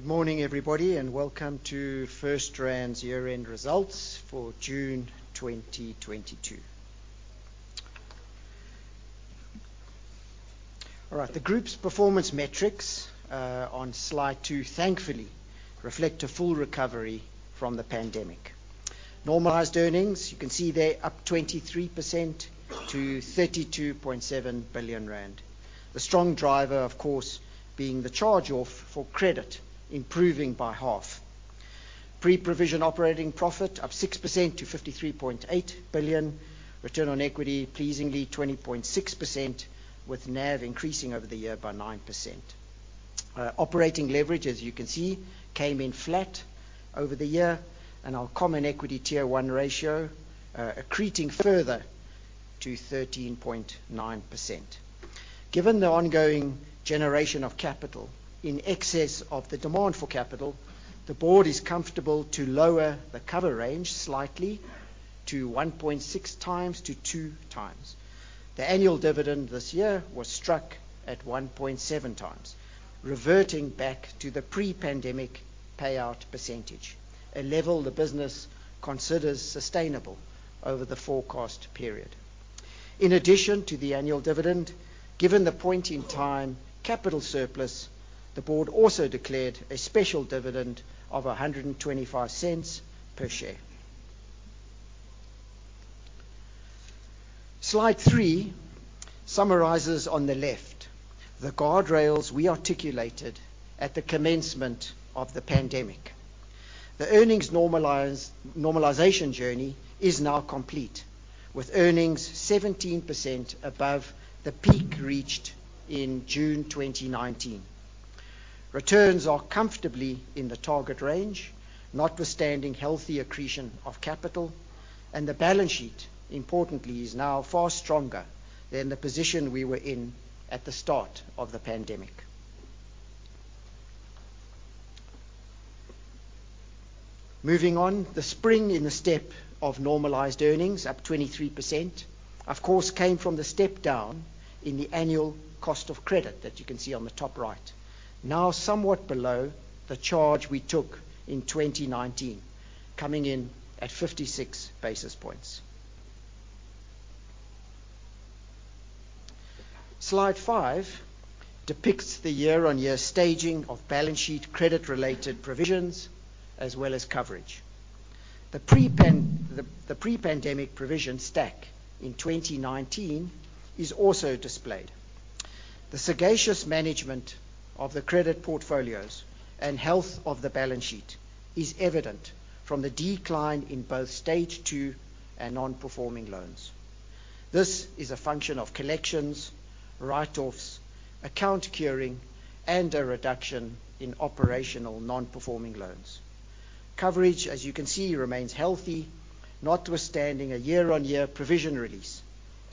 Right. Good morning, everybody, and welcome to FirstRand's year-end results for June 2022. All right. The group's performance metrics on slide two thankfully reflect a full recovery from the pandemic. Normalized earnings, you can see there, up 23% to 32.7 billion rand. The strong driver, of course, being the charge-off for credit improving by half. Pre-provision operating profit up 6% to 53.8 billion. Return on equity, pleasingly 20.6%, with NAV increasing over the year by 9%. Operating leverage, as you can see, came in flat over the year, and our common equity Tier one ratio accreting further to 13.9%. Given the ongoing generation of capital in excess of the demand for capital, the board is comfortable to lower the cover range slightly to 1.6x to 2x. The annual dividend this year was struck at 1.7x, reverting back to the pre-pandemic payout percentage, a level the business considers sustainable over the forecast period. In addition to the annual dividend, given the point in time capital surplus, the board also declared a special dividend of 1.25 per share. Slide three summarizes on the left the guardrails we articulated at the commencement of the pandemic. The earnings normalization journey is now complete, with earnings 17% above the peak reached in June 2019. Returns are comfortably in the target range, notwithstanding healthy accretion of capital, and the balance sheet, importantly, is now far stronger than the position we were in at the start of the pandemic. Moving on, the spring in the step of normalized earnings, up 23%, of course, came from the step down in the annual cost of credit that you can see on the top right. Now somewhat below the charge we took in 2019, coming in at 56 basis points. Slide five depicts the year-on-year staging of balance sheet credit-related provisions as well as coverage. The pre-pandemic provision stack in 2019 is also displayed. The sagacious management of the credit portfolios and health of the balance sheet is evident from the decline in both stage two and non-performing loans. This is a function of collections, write-offs, account curing, and a reduction in operational non-performing loans. Coverage, as you can see, remains healthy, notwithstanding a year-on-year provision release,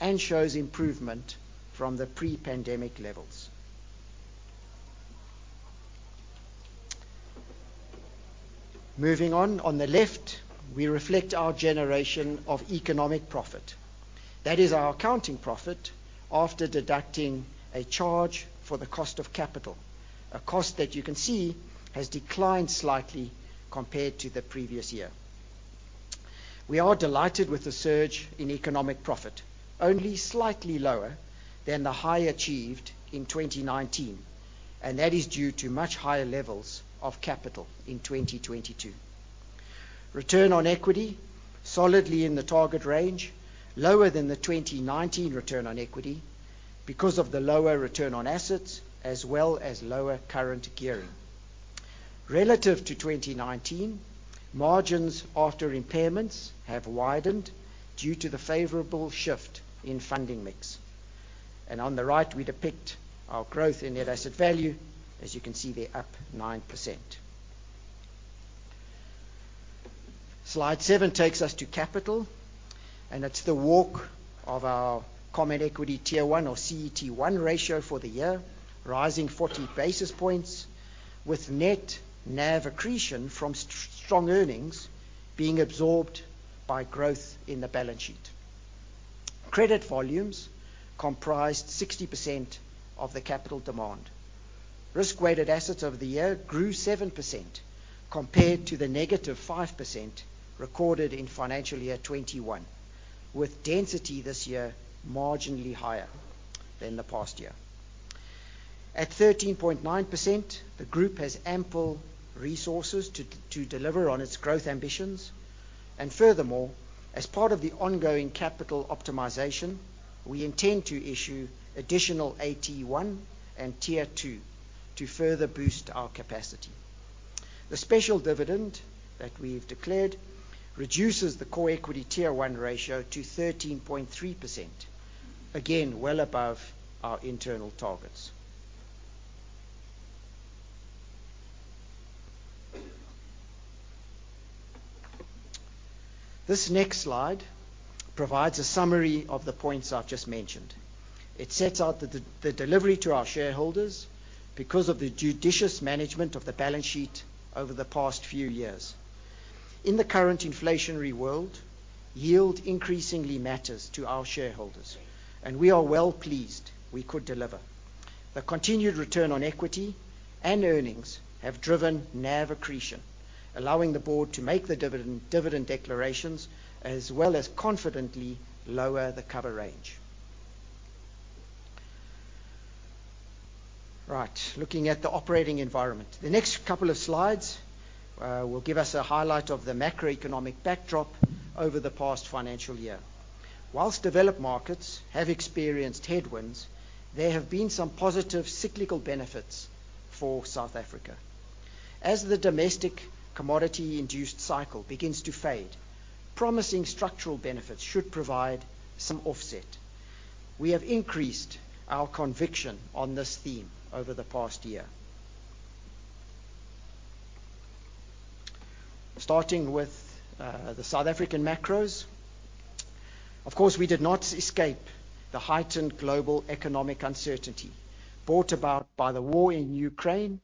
and shows improvement from the pre-pandemic levels. Moving on the left, we reflect our generation of economic profit. That is our accounting profit after deducting a charge for the cost of capital, a cost that you can see has declined slightly compared to the previous year. We are delighted with the surge in economic profit, only slightly lower than the high achieved in 2019, and that is due to much higher levels of capital in 2022. Return on equity solidly in the target range, lower than the 2019 return on equity because of the lower return on assets as well as lower current gearing. Relative to 2019, margins after impairments have widened due to the favorable shift in funding mix. On the right, we depict our growth in net asset value. As you can see there, up 9%. Slide 7 takes us to capital, and it's the walk of our common equity Tier one, or CET1, ratio for the year, rising 40 basis points with net NAV accretion from strong earnings being absorbed by growth in the balance sheet. Credit volumes comprised 60% of the capital demand. Risk-weighted assets over the year grew 7% compared to the -5% recorded in financial year 2021, with density this year marginally higher than the past year. At 13.9%, the group has ample resources to deliver on its growth ambitions. Furthermore, as part of the ongoing capital optimization, we intend to issue additional AT1 and Tier two to further boost our capacity. The special dividend that we've declared reduces the common equity Tier one ratio to 13.3%. Again, well above our internal targets. This next slide provides a summary of the points I've just mentioned. It sets out the delivery to our shareholders because of the judicious management of the balance sheet over the past few years. In the current inflationary world, yield increasingly matters to our shareholders, and we are well pleased we could deliver. The continued return on equity and earnings have driven NAV accretion, allowing the board to make the dividend declarations as well as confidently lower the cover range. Right. Looking at the operating environment. The next couple of slides will give us a highlight of the macroeconomic backdrop over the past financial year. While developed markets have experienced headwinds, there have been some positive cyclical benefits for South Africa. As the domestic commodity-induced cycle begins to fade, promising structural benefits should provide some offset. We have increased our conviction on this theme over the past year. Starting with the South African macros. Of course, we did not escape the heightened global economic uncertainty brought about by the war in Ukraine,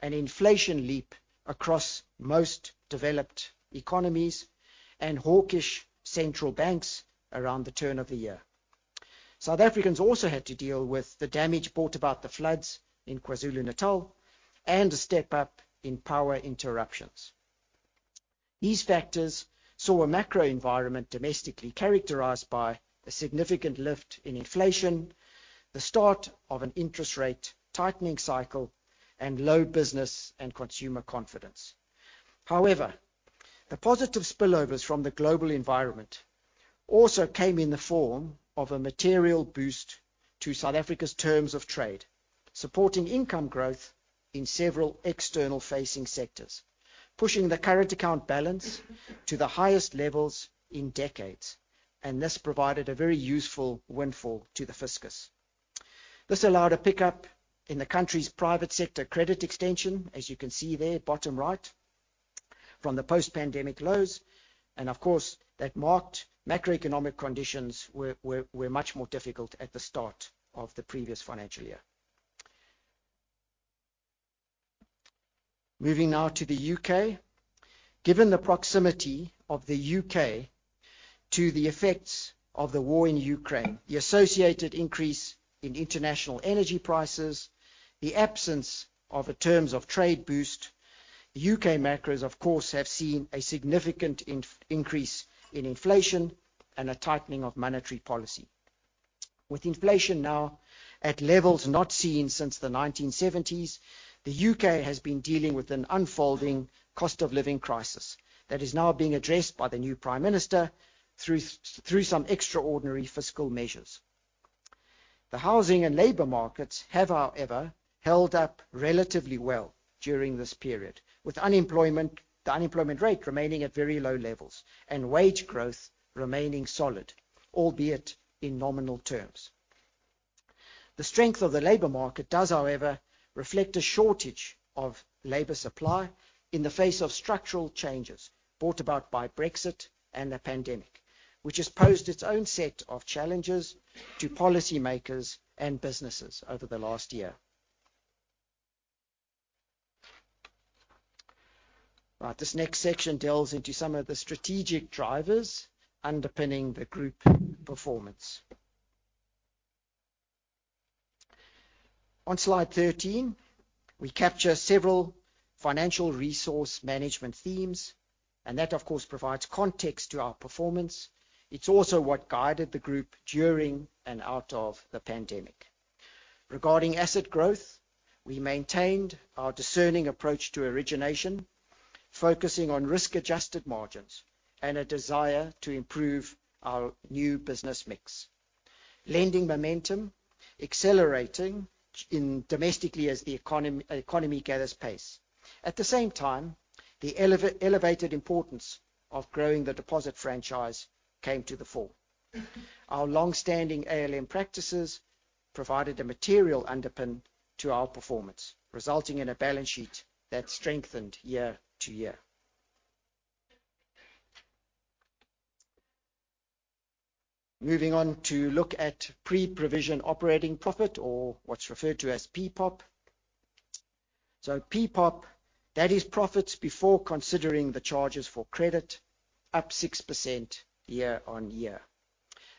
an inflation leap across most developed economies and hawkish central banks around the turn of the year. South Africans also had to deal with the damage brought about the floods in KwaZulu-Natal and a step up in power interruptions. These factors saw a macro environment domestically characterized by a significant lift in inflation, the start of an interest rate tightening cycle, and low business and consumer confidence. However, the positive spillovers from the global environment also came in the form of a material boost to South Africa's terms of trade, supporting income growth in several external facing sectors, pushing the current account balance to the highest levels in decades, and this provided a very useful windfall to the fiscus. This allowed a pickup in the country's private sector credit extension, as you can see there, bottom right, from the post-pandemic lows, and of course, that markedly macroeconomic conditions were much more difficult at the start of the previous financial year. Moving now to the U.K. Given the proximity of the U.K to the effects of the war in Ukraine, the associated increase in international energy prices, the absence of a terms of trade boost, U.K. macros, of course, have seen a significant increase in inflation and a tightening of monetary policy. With inflation now at levels not seen since the 1970s, the U.K. Has been dealing with an unfolding cost of living crisis that is now being addressed by the new Prime Minister through through some extraordinary fiscal measures. The housing and labor markets have, however, held up relatively well during this period, with unemployment, the unemployment rate remaining at very low levels and wage growth remaining solid, albeit in nominal terms. The strength of the labor market does, however, reflect a shortage of labor supply in the face of structural changes brought about by Brexit and the pandemic, which has posed its own set of challenges to policymakers and businesses over the last year. Right. This next section delves into some of the strategic drivers underpinning the group performance. On slide 13, we capture several financial resource management themes, and that, of course, provides context to our performance. It's also what guided the group during and out of the pandemic. Regarding asset growth, we maintained our discerning approach to origination, focusing on risk-adjusted margins and a desire to improve our new business mix. Lending momentum accelerating domestically as the economy gathers pace. At the same time, the elevated importance of growing the deposit franchise came to the fore. Our long-standing ALM practices provided a material underpin to our performance, resulting in a balance sheet that strengthened year to year. Moving on to look at pre-provision operating profit or what's referred to as PPOP. So PPOP, that is profits before considering the charges for credit, up 6% year-on-year.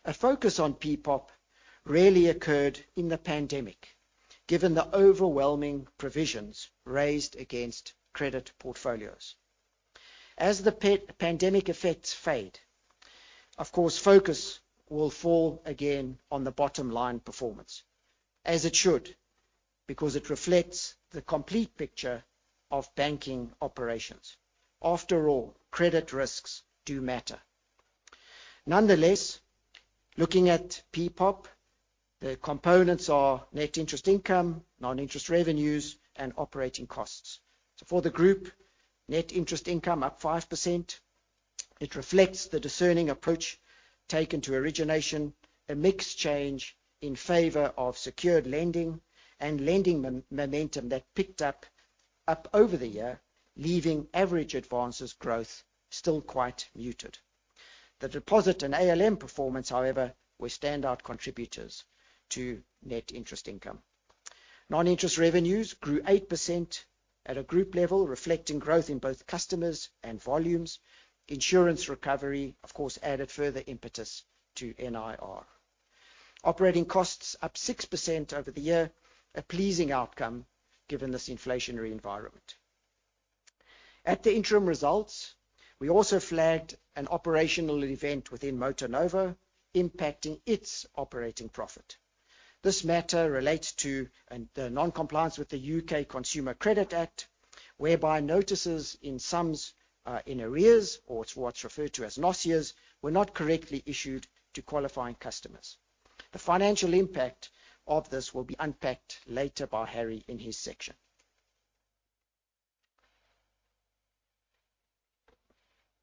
A focus on PPOP rarely occurred in the pandemic, given the overwhelming provisions raised against credit portfolios. As the pandemic effects fade, of course, focus will fall again on the bottom line performance, as it should, because it reflects the complete picture of banking operations. After all, credit risks do matter. Nonetheless, looking at PPOP, the components are net interest income, non-interest revenues and operating costs. For the group, net interest income up 5%. It reflects the discerning approach taken to origination, a mix change in favor of secured lending and lending momentum that picked up over the year, leaving average advances growth still quite muted. The deposit and ALM performance, however, were standout contributors to net interest income. Non-interest revenues grew 8% at a group level, reflecting growth in both customers and volumes. Insurance recovery, of course, added further impetus to NIR. Operating costs up 6% over the year, a pleasing outcome given this inflationary environment. At the interim results, we also flagged an operational event within MotoNovo impacting its operating profit. This matter relates to the non-compliance with the U.K. Consumer Credit Act, whereby notices of sums in arrears or to what's referred to as NOSIAs were not correctly issued to qualifying customers. The financial impact of this will be unpacked later by Harry in his section.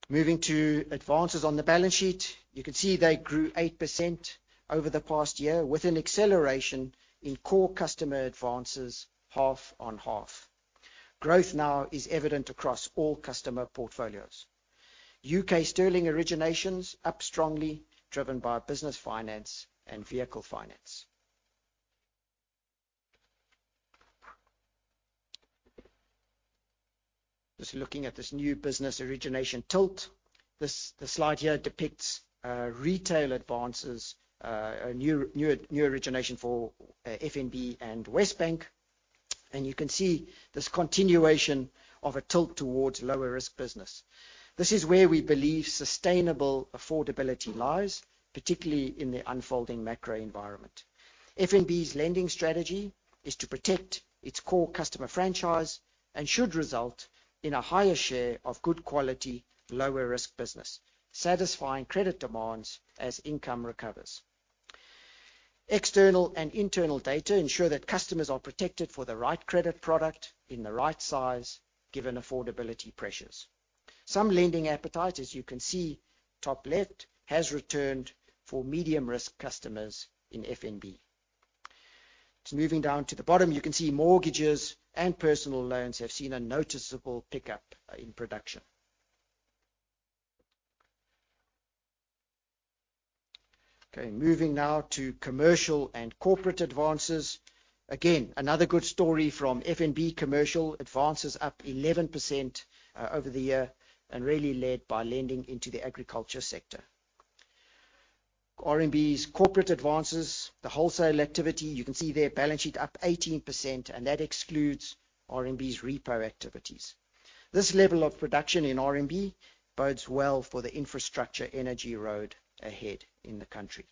Moving to advances on the balance sheet. You can see they grew 8% over the past year with an acceleration in core customer advances half-on-half. Growth now is evident across all customer portfolios. U.K. sterling originations up strongly driven by business finance and vehicle finance. Just looking at this new business origination tilt. This slide here depicts retail advances, new origination for FNB and WesBank. You can see this continuation of a tilt towards lower risk business. This is where we believe sustainable affordability lies, particularly in the unfolding macro environment. FNB's lending strategy is to protect its core customer franchise and should result in a higher share of good quality, lower risk business, satisfying credit demands as income recovers. External and internal data ensure that customers are protected for the right credit product in the right size, given affordability pressures. Some lending appetite, as you can see, top left, has returned for medium risk customers in FNB. Moving down to the bottom, you can see mortgages and personal loans have seen a noticeable pickup in production. Okay, moving now to commercial and corporate advances. Again, another good story from FNB commercial advances up 11%, over the year and really led by lending into the agriculture sector. RMB's corporate advances, the wholesale activity, you can see their balance sheet up 18%, and that excludes RMB's repo activities. This level of production in RMB bodes well for the infrastructure energy road ahead in the country.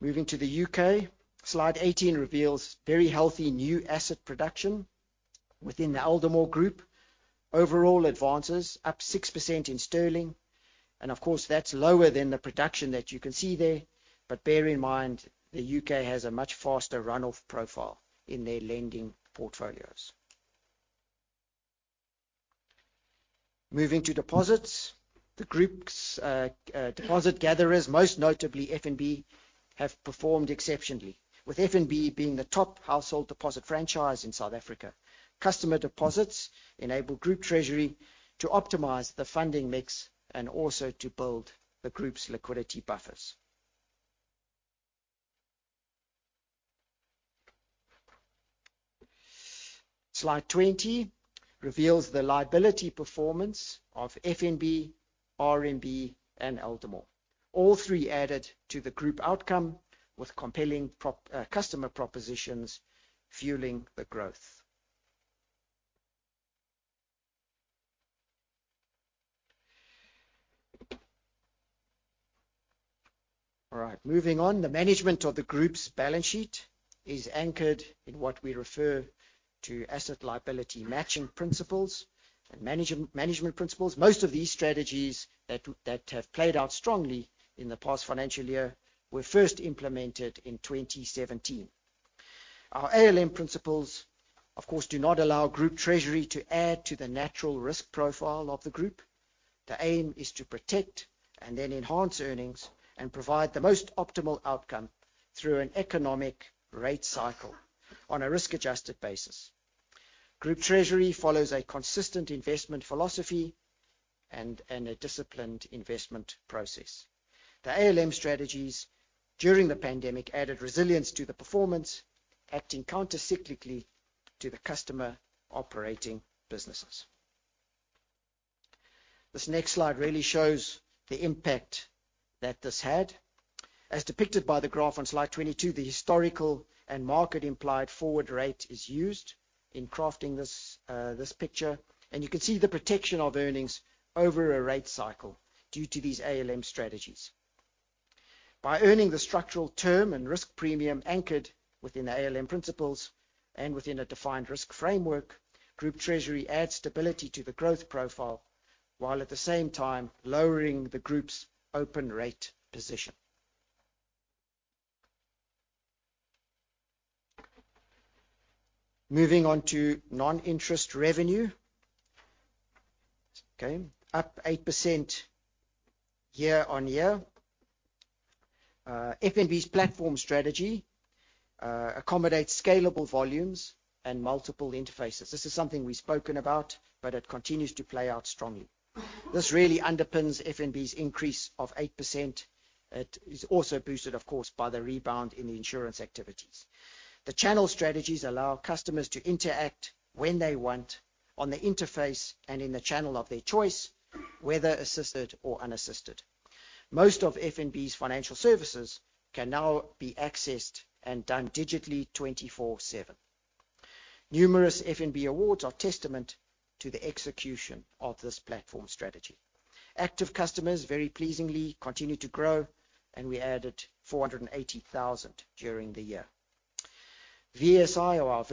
Moving to the U.K., slide 18 reveals very healthy new asset production within the Aldermore Group. Overall advances up 6% in sterling, and of course, that's lower than the projection that you can see there, but bear in mind, the U.K. has a much faster run-off profile in their lending portfolios. Moving to deposits. The group's deposit gatherers, most notably FNB, have performed exceptionally, with FNB being the top household deposit franchise in South Africa. Customer deposits enable Group Treasury to optimize the funding mix and also to build the group's liquidity buffers. Slide 20 reveals the liability performance of FNB, RMB, and Aldermore. All three added to the group outcome with compelling customer propositions fueling the growth. All right, moving on. The management of the group's balance sheet is anchored in what we refer to as asset liability matching principles and management principles. Most of these strategies that have played out strongly in the past financial year were first implemented in 2017. Our ALM principles, of course, do not allow Group Treasury to add to the natural risk profile of the group. The aim is to protect and then enhance earnings and provide the most optimal outcome through an economic rate cycle on a risk-adjusted basis. Group Treasury follows a consistent investment philosophy and a disciplined investment process. The ALM strategies during the pandemic added resilience to the performance, acting countercyclically to the customer operating businesses. This next slide really shows the impact that this had. As depicted by the graph on slide 22, the historical and market implied forward rate is used in crafting this picture, and you can see the protection of earnings over a rate cycle due to these ALM strategies. By earning the structural term and risk premium anchored within the ALM principles and within a defined risk framework, Group Treasury adds stability to the growth profile, while at the same time lowering the group's open rate position. Moving on to non-interest revenue. Okay, up 8% year-on-year. FNB's platform strategy accommodates scalable volumes and multiple interfaces. This is something we've spoken about, but it continues to play out strongly. This really underpins FNB's increase of 8%. It is also boosted, of course, by the rebound in the insurance activities. The channel strategies allow customers to interact when they want on the interface and in the channel of their choice, whether assisted or unassisted. Most of FNB's financial services can now be accessed and done digitally 24/7. Numerous FNB awards are testament to the execution of this platform strategy. Active customers, very pleasingly, continue to grow, and we added 480,000 during the year. VSI or our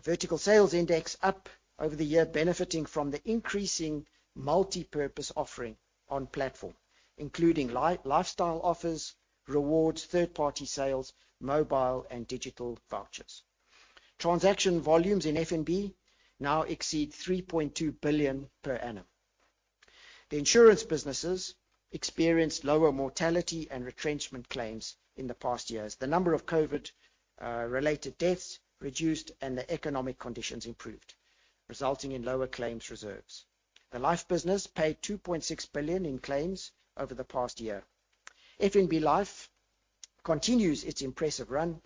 Vertical Sales Index up over the year benefiting from the increasing multipurpose offering on platform, including lifestyle offers, rewards, third party sales, mobile and digital vouchers. Transaction volumes in FNB now exceed 3.2 billion per annum. The insurance businesses experienced lower mortality and retrenchment claims in the past years. The number of COVID related deaths reduced and the economic conditions improved, resulting in lower claims reserves. The life business paid 2.6 billion in claims over the past year. FNB Life continues its impressive run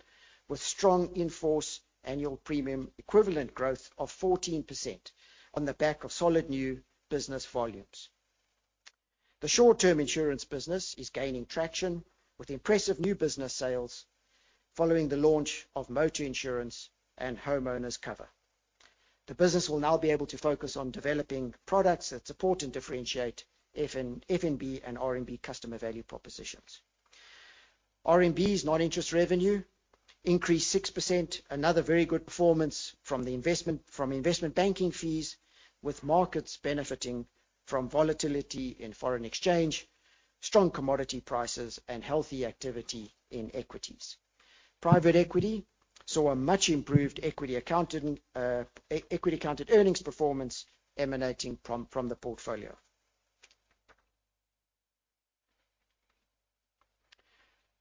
with strong in-force annual premium equivalent growth of 14% on the back of solid new business volumes. The short-term insurance business is gaining traction with impressive new business sales following the launch of motor insurance and homeowners cover. The business will now be able to focus on developing products that support and differentiate FNB and RMB customer value propositions. RMB's non-interest revenue increased 6%. Another very good performance from investment banking fees, with markets benefiting from volatility in foreign exchange, strong commodity prices, and healthy activity in equities. Private equity saw a much improved equity accounted earnings performance emanating from the portfolio.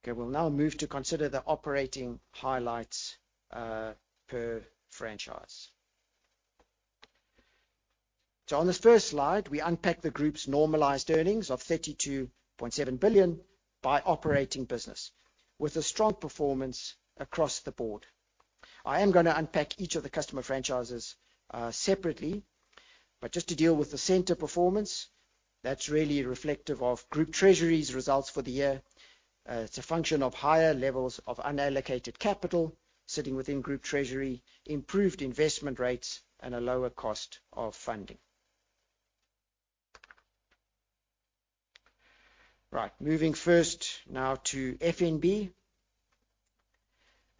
Okay, we'll now move to consider the operating highlights per franchise. On this first slide, we unpack the group's normalized earnings of 32.7 billion by operating business with a strong performance across the board. I am gonna unpack each of the customer franchises separately, but just to deal with the center performance that's really reflective of Group Treasury's results for the year. It's a function of higher levels of unallocated capital sitting within Group Treasury, improved investment rates, and a lower cost of funding. Right. Moving first now to FNB.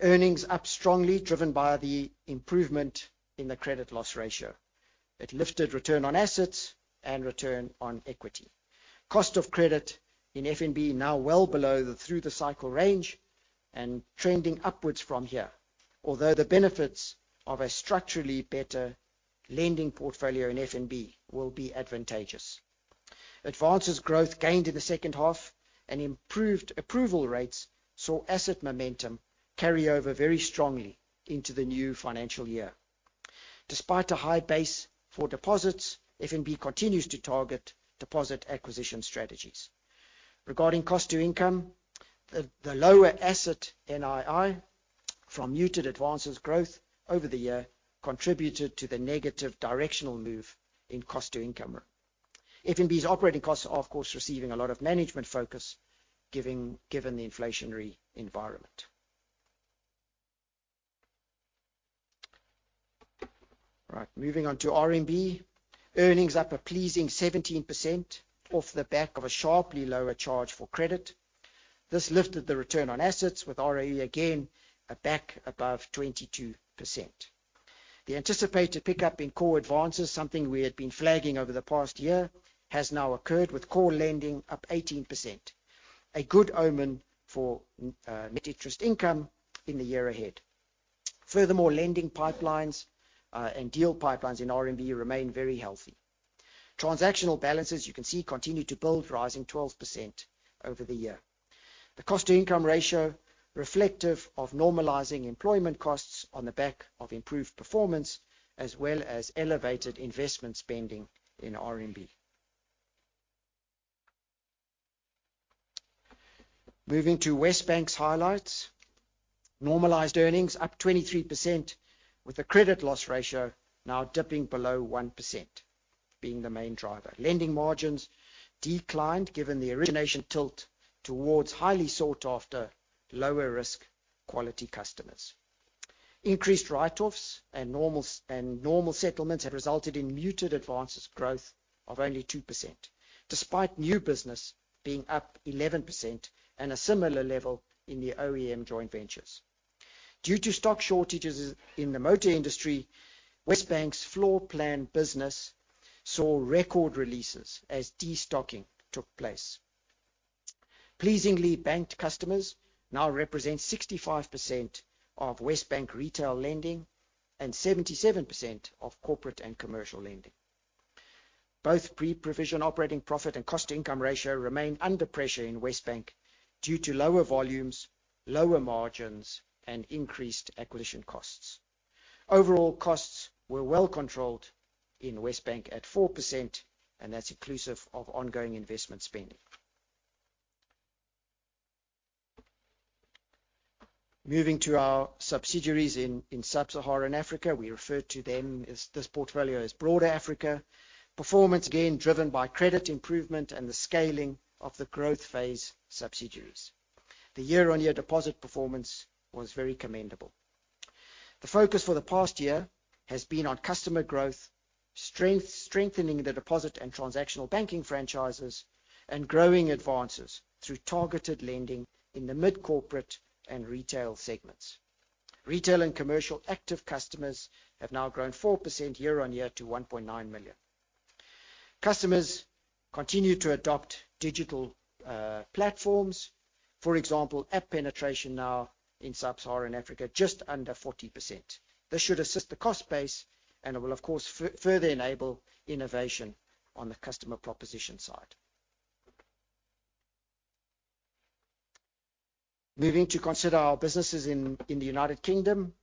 Earnings up strongly driven by the improvement in the credit loss ratio. It lifted return on assets and return on equity. Cost of credit in FNB now well below the through-the-cycle range and trending upwards from here. Although the benefits of a structurally better lending portfolio in FNB will be advantageous. Advances growth gained in the second half and improved approval rates saw asset momentum carry over very strongly into the new financial year. Despite a high base for deposits, FNB continues to target deposit acquisition strategies. Regarding cost to income, the lower asset NII from muted advances growth over the year contributed to the negative directional move in cost to income. FNB's operating costs are, of course, receiving a lot of management focus given the inflationary environment. Right. Moving on to RMB. Earnings up a pleasing 17% off the back of a sharply lower charge for credit. This lifted the return on assets with ROE again back above 22%. The anticipated pickup in core advances, something we had been flagging over the past year, has now occurred with core lending up 18%. A good omen for net interest income in the year ahead. Furthermore, lending pipelines and deal pipelines in RMB remain very healthy. Transactional balances you can see continue to build, rising 12% over the year. The cost to income ratio reflective of normalizing employment costs on the back of improved performance, as well as elevated investment spending in RMB. Moving to WesBank's highlights. Normalized earnings up 23% with the credit loss ratio now dipping below 1% being the main driver. Lending margins declined, given the origination tilt towards highly sought after, lower risk quality customers. Increased write-offs and normals, and normal settlements had resulted in muted advances growth of only 2%, despite new business being up 11% and a similar level in the OEM joint ventures. Due to stock shortages in the motor industry, WesBank's floor plan business saw record releases as destocking took place. Pleasingly, banked customers now represent 65% of WesBank retail lending and 77% of corporate and commercial lending. Both pre-provision operating profit and cost income ratio remain under pressure in WesBank due to lower volumes, lower margins, and increased acquisition costs. Overall costs were well controlled in WesBank at 4%, and that's inclusive of ongoing investment spending. Moving to our subsidiaries in Sub-Saharan Africa, we refer to them as this portfolio as broader Africa. Performance, again, driven by credit improvement and the scaling of the growth phase subsidiaries. The year-on-year deposit performance was very commendable. The focus for the past year has been on customer growth, strengthening the deposit and transactional banking franchises, and growing advances through targeted lending in the mid-corporate and retail segments. Retail and commercial active customers have now grown 4% year-on-year to 1.9 million. Customers continue to adopt digital platforms. For example, app penetration now in Sub-Saharan Africa, just under 40%. This should assist the cost base, and it will, of course, further enable innovation on the customer proposition side. Moving to consider our businesses in the United Kingdom.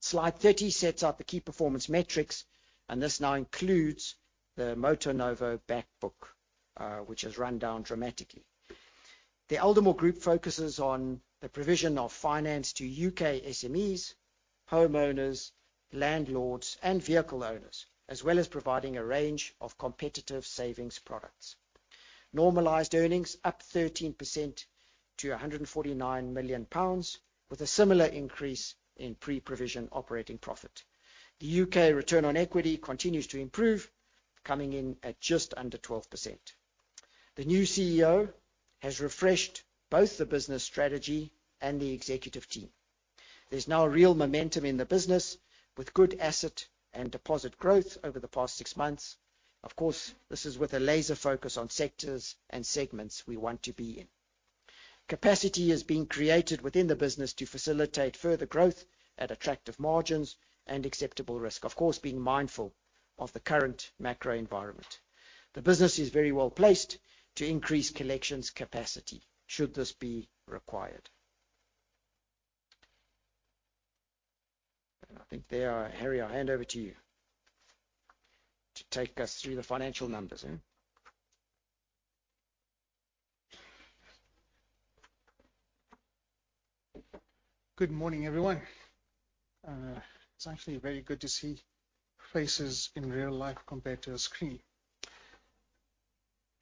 Slide 30 sets out the key performance metrics, and this now includes the MotoNovo back book, which has run down dramatically. The Aldermore Group focuses on the provision of finance to U.K. SMEs, homeowners, landlords, and vehicle owners, as well as providing a range of competitive savings products. Normalized earnings up 13% to 149 million pounds with a similar increase in pre-provision operating profit. The U.K. Return on equity continues to improve, coming in at just under 12%. The new CEO has refreshed both the business strategy and the executive team. There's now real momentum in the business with good asset and deposit growth over the past six months. Of course, this is with a laser focus on sectors and segments we want to be in. Capacity is being created within the business to facilitate further growth at attractive margins and acceptable risk, of course, being mindful of the current macro environment. The business is very well-placed to increase collections capacity should this be required. I think there, Harry Kellan, I hand over to you to take us through the financial numbers. Good morning, everyone. It's actually very good to see faces in real life compared to a screen.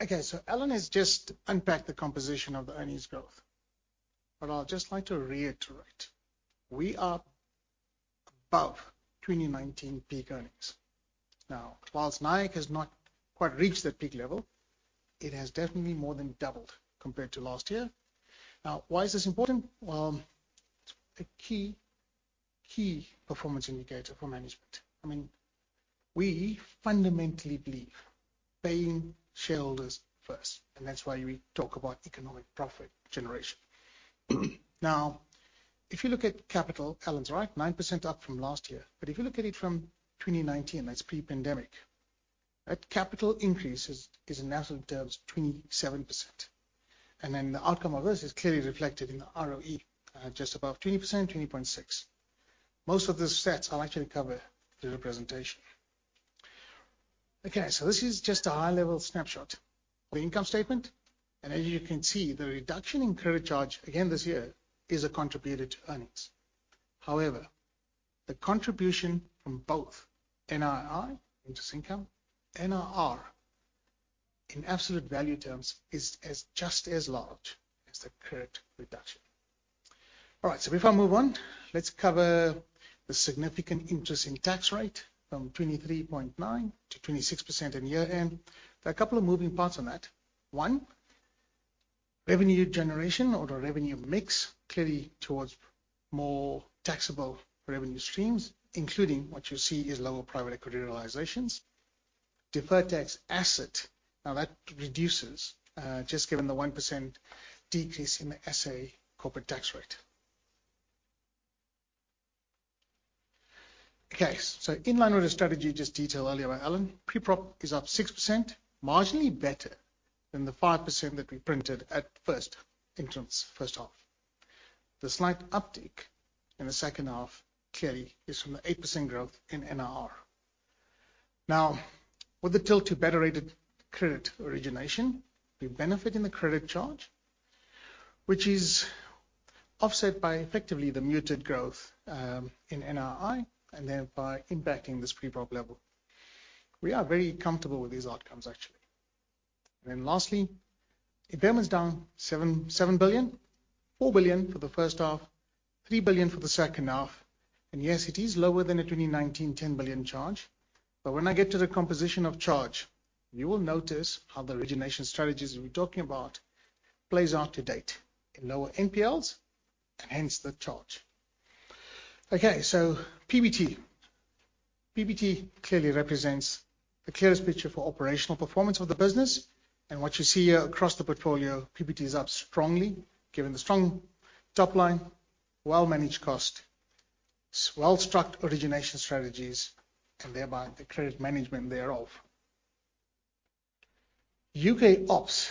Okay. Alan has just unpacked the composition of the earnings growth, but I'll just like to reiterate, we are above 2019 peak earnings. Now, while NIACC has not quite reached that peak level, it has definitely more than doubled compared to last year. Now, why is this important? Well, it's a key performance indicator for management. I mean, we fundamentally believe paying shareholders first, and that's why we talk about economic profit generation. Now, if you look at capital, Alan's right, 9% up from last year. If you look at it from 2019, that's pre-pandemic, that capital increase is in absolute terms, 27%. Then the outcome of this is clearly reflected in the ROE at just above 20%, 20.6. Most of the stats I'll actually cover through the presentation. Okay, this is just a high-level snapshot of the income statement. As you can see, the reduction in credit charge again this year is a contributor to earnings. However, the contribution from both NII, interest income, NIR in absolute value terms is just as large as the credit reduction. All right, before I move on, let's cover the significant increase in tax rate from 23.9%-26% at year-end. There are a couple of moving parts on that. One, revenue generation or the revenue mix clearly towards more taxable revenue streams, including what you see is lower private equity realizations. Deferred tax asset, now that reduces, just given the 1% decrease in the SA corporate tax rate. Okay. In line with the strategy just detailed earlier by Alan, PPOP is up 6%, marginally better than the 5% that we printed at FirstRand's first half. The slight uptick in the second half clearly is from the 8% growth in NIR. Now, with the tilt to better rated credit origination, we benefit in the credit charge, which is offset by effectively the muted growth in NII, and thereby impacting this PPOP level. We are very comfortable with these outcomes, actually. Then lastly, impairment is down 7 billion, 4 billion for the first half, 3 billion for the second half. Yes, it is lower than a 2019 10 billion charge. When I get to the composition of charge, you will notice how the origination strategies we're talking about plays out to date in lower NPLs and hence the charge. Okay. PBT. PBT clearly represents the clearest picture for operational performance of the business. What you see here across the portfolio, PBT is up strongly given the strong top line, well-managed costs. It's well-structured origination strategies and thereby the credit management thereof. U.K. ops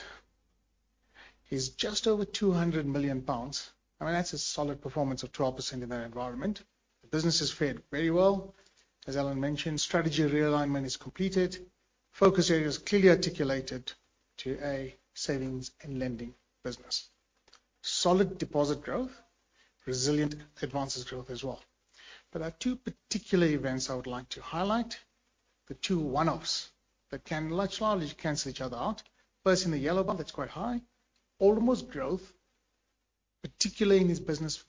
is just over 200 million pounds. I mean, that's a solid performance of 12% in that environment. The business has fared very well. As Alan mentioned, strategy realignment is completed. Focus area is clearly articulated to a savings and lending business. Solid deposit growth, resilient advances growth as well. There are two particular events I would like to highlight. The two one-offs that can largely cancel each other out. First, in the yellow bar, that's quite high. Aldermore's growth, particularly in its business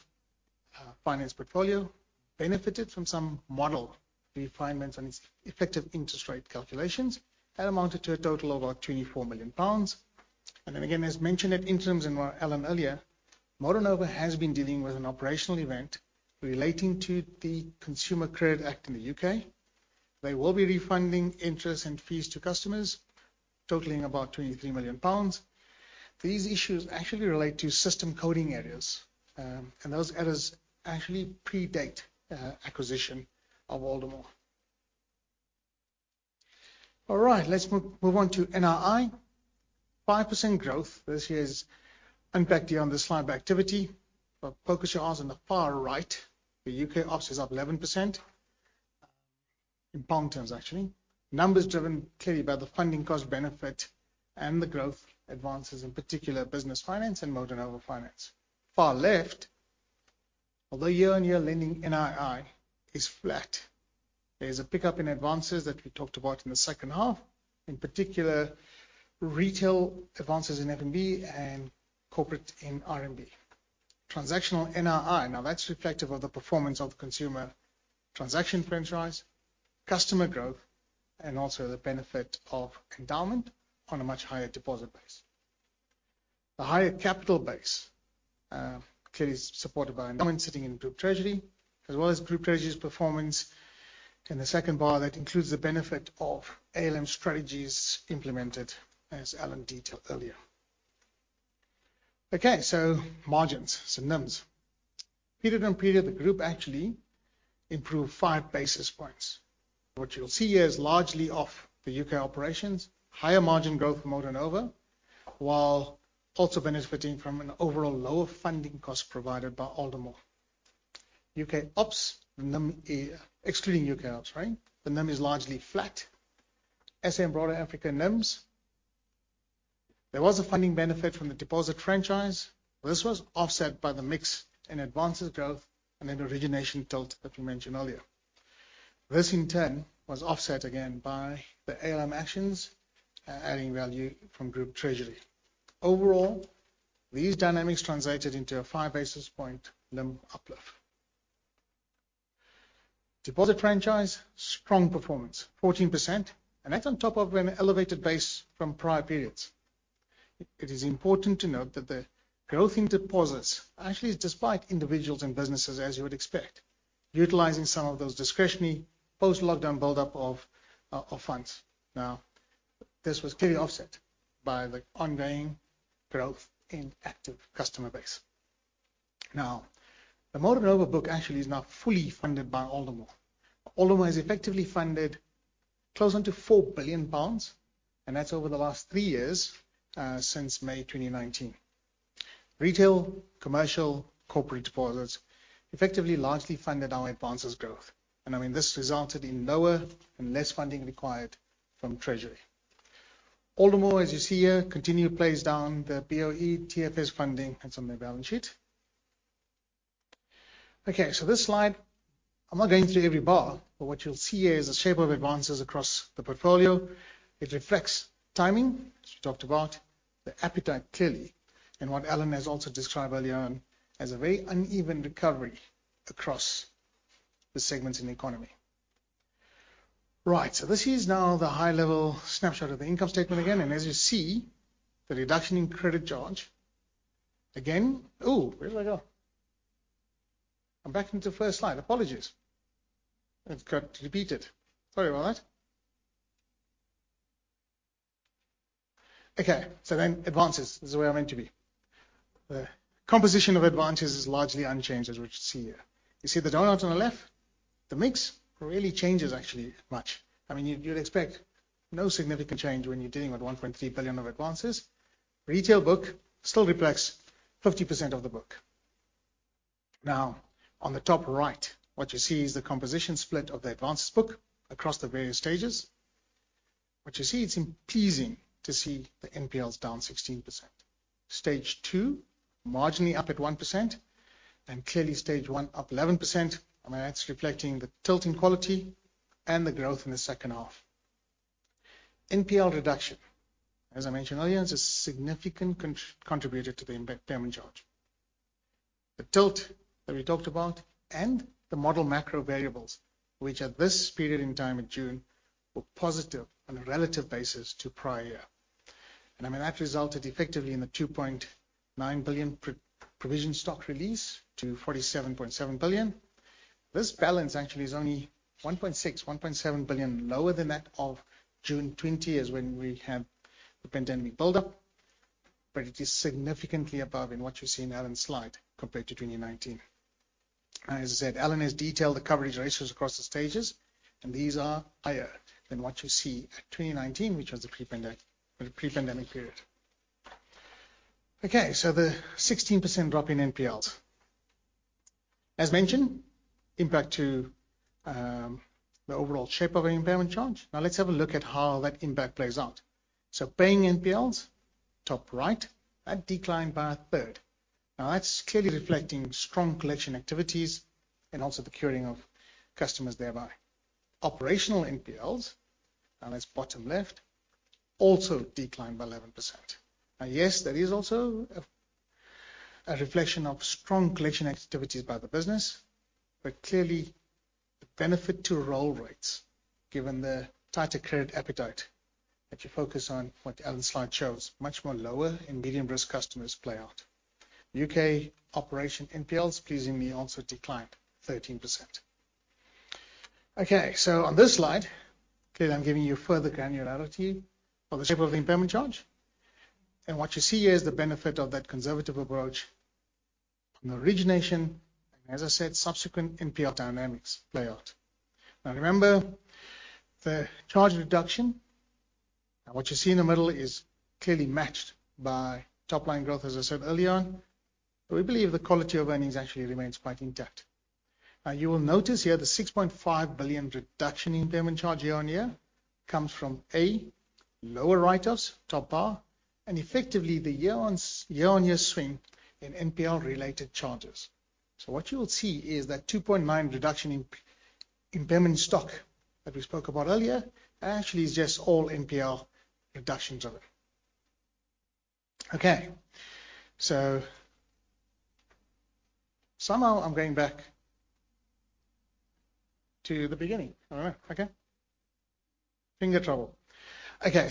finance portfolio, benefited from some model refinements on its effective interest rate calculations, and amounted to a total of about 24 million pounds. Then again, as mentioned at interims and by Alan earlier, MotoNovo has been dealing with an operational event relating to the Consumer Credit Act in the U.K. They will be refunding interest and fees to customers, totaling about 23 million pounds. These issues actually relate to system coding errors, and those errors actually predate acquisition of Aldermore. All right, let's move on to NII. 5% growth. This year is impacted on the slide by activity. Focus your eyes on the far right. The U.K. ops is up 11% in pound terms, actually. Numbers driven clearly by the funding cost benefit and the growth advances, in particular business finance and MotoNovo finance. Far left. Although year-on-year lending NII is flat, there's a pickup in advances that we talked about in the second half. In particular, retail advances in FNB and corporate in RMB. Transactional NII. Now, that's reflective of the performance of consumer transaction franchise, customer growth, and also the benefit of endowment on a much higher deposit base. The higher capital base clearly is supported by a known sitting in Group Treasury, as well as Group Treasury's performance in the second half that includes the benefit of ALM strategies implemented, as Alan detailed earlier. Okay, so margins, some NIMs. Period on period, the group actually improved five basis points. What you'll see here is largely from the U.K. Operations. Higher margin growth for MotoNovo, while also benefiting from an overall lower funding cost provided by Aldermore. U.K. ops, the NIM excluding U.K. ops, right? The NIM is largely flat. SA broader Africa NIMS. There was a funding benefit from the deposit franchise. This was offset by the mix in advances growth and then the origination tilt that we mentioned earlier. This in turn was offset again by the ALM actions, adding value from Group Treasury. Overall, these dynamics translated into a five basis point NIM uplift. Deposit franchise, strong performance, 14%, and that's on top of an elevated base from prior periods. It is important to note that the growth in deposits actually is despite individuals and businesses as you would expect, utilizing some of those discretionary post-lockdown buildup of of funds. Now, this was clearly offset by the ongoing growth in active customer base. Now, the MotoNovo book actually is now fully funded by Aldermore. Aldermore has effectively funded close to 4 billion pounds, and that's over the last three years, since May 2019. Retail, commercial, corporate deposits effectively largely funded our advances growth. I mean, this resulted in lower and less funding required from Treasury. Aldermore, as you see here, continues to play down the BoE TFS funding that's on their balance sheet. Okay, this slide, I'm not going through every bar, but what you'll see here is the shape of advances across the portfolio. It reflects timing, as we talked about, the appetite clearly, and what Alan has also described earlier on as a very uneven recovery across the segments in the economy. Right. This here is now the high-level snapshot of the income statement again, and as you see, the reduction in credit charge. Again. Oh, where did I go? I'm back into the first slide. Apologies. Advances is where I meant to be. The composition of advances is largely unchanged as we see here. You see the donut on the left? The mix really hasn't changed much actually. I mean, you'd expect no significant change when you're dealing with 1.3 billion of advances. Retail book still reflects 50% of the book. Now, on the top right, what you see is the composition split of the advances book across the various stages. What you see, it's pleasing to see the NPLs down 16%. Stage two, marginally up at 1%, and clearly stage one up 11%. I mean, that's reflecting the tilt in quality and the growth in the second half. NPL reduction, as I mentioned earlier, is a significant contributor to the impairment charge. The tilt that we talked about and the model macro variables, which at this period in time in June, were positive on a relative basis to prior. I mean, that resulted effectively in the 2.9 billion pre-provision stock release to 47.7 billion. This balance actually is only 1.6, 1.7 billion lower than that of June 2020, as when we had the pandemic buildup. It is significantly above in what you see in Alan's slide compared to 2019. As I said, Alan has detailed the coverage ratios across the stages, and these are higher than what you see at 2019, which was the pre-pandemic period. Okay, the 16% drop in NPLs. As mentioned, impact to the overall shape of our impairment charge. Now let's have a look at how that impact plays out. Paying NPLs, top right, that declined by a third. Now that's clearly reflecting strong collection activities and also the curing of customers thereby. Operational NPLs, now that's bottom left, also declined by 11%. Now, yes, that is also a reflection of strong collection activities by the business, but clearly the benefit to roll rates, given the tighter credit appetite, if you focus on what Alan's slide shows, much more lower in medium risk customers play out. U.K. Operation NPLs pleasingly also declined 13%. Okay, on this slide, okay, I'm giving you further granularity of the shape of the impairment charge. What you see here is the benefit of that conservative approach from the origination, and as I said, subsequent NPL dynamics play out. Now remember the charge reduction. Now what you see in the middle is clearly matched by top line growth, as I said earlier on. We believe the quality of earnings actually remains quite intact. Now you will notice here the 6.5 billion reduction in impairment charge year-on-year comes from, A, lower write-offs, top bar, and effectively the year-on-year swing in NPL-related charges. What you will see is that 2.9 billion reduction in impairment stock that we spoke about earlier actually is just all NPL reductions of it. Okay. Somehow I'm going back to the beginning. All right. Okay. Finger trouble. Okay,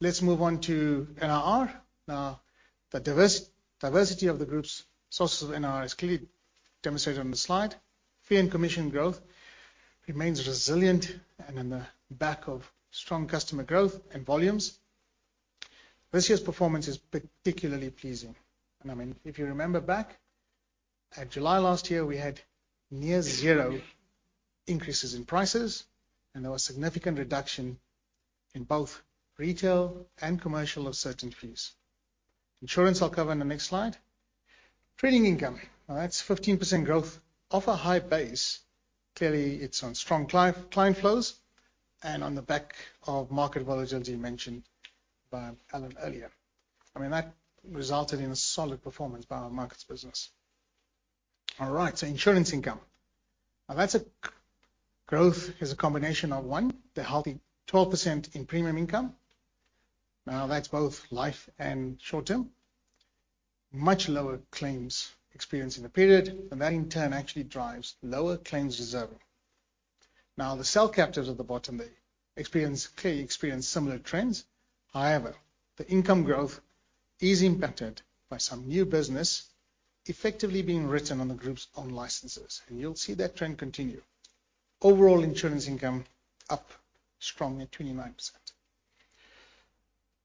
let's move on to NIR. Now, the diversity of the group's sources of NIR is clearly demonstrated on the slide. Fee and commission growth remains resilient and on the back of strong customer growth and volumes. This year's performance is particularly pleasing. I mean, if you remember back at July last year, we had near-zero increases in prices, and there was significant reduction in both retail and commercial of certain fees. Insurance, I'll cover in the next slide. Trading income. Now that's 15% growth off a high base. Clearly, it's on strong client flows and on the back of market volatility mentioned by Alan earlier. I mean, that resulted in a solid performance by our markets business. All right, insurance income. Now that's a growth is a combination of one, the healthy 12% in premium income. Now that's both life and short term. Much lower claims experienced in the period, and that in turn actually drives lower claims reserve. Now the cell captives at the bottom, they clearly experience similar trends. However, the income growth is impacted by some new business effectively being written on the group's own licenses. You'll see that trend continue. Overall insurance income up strongly at 29%.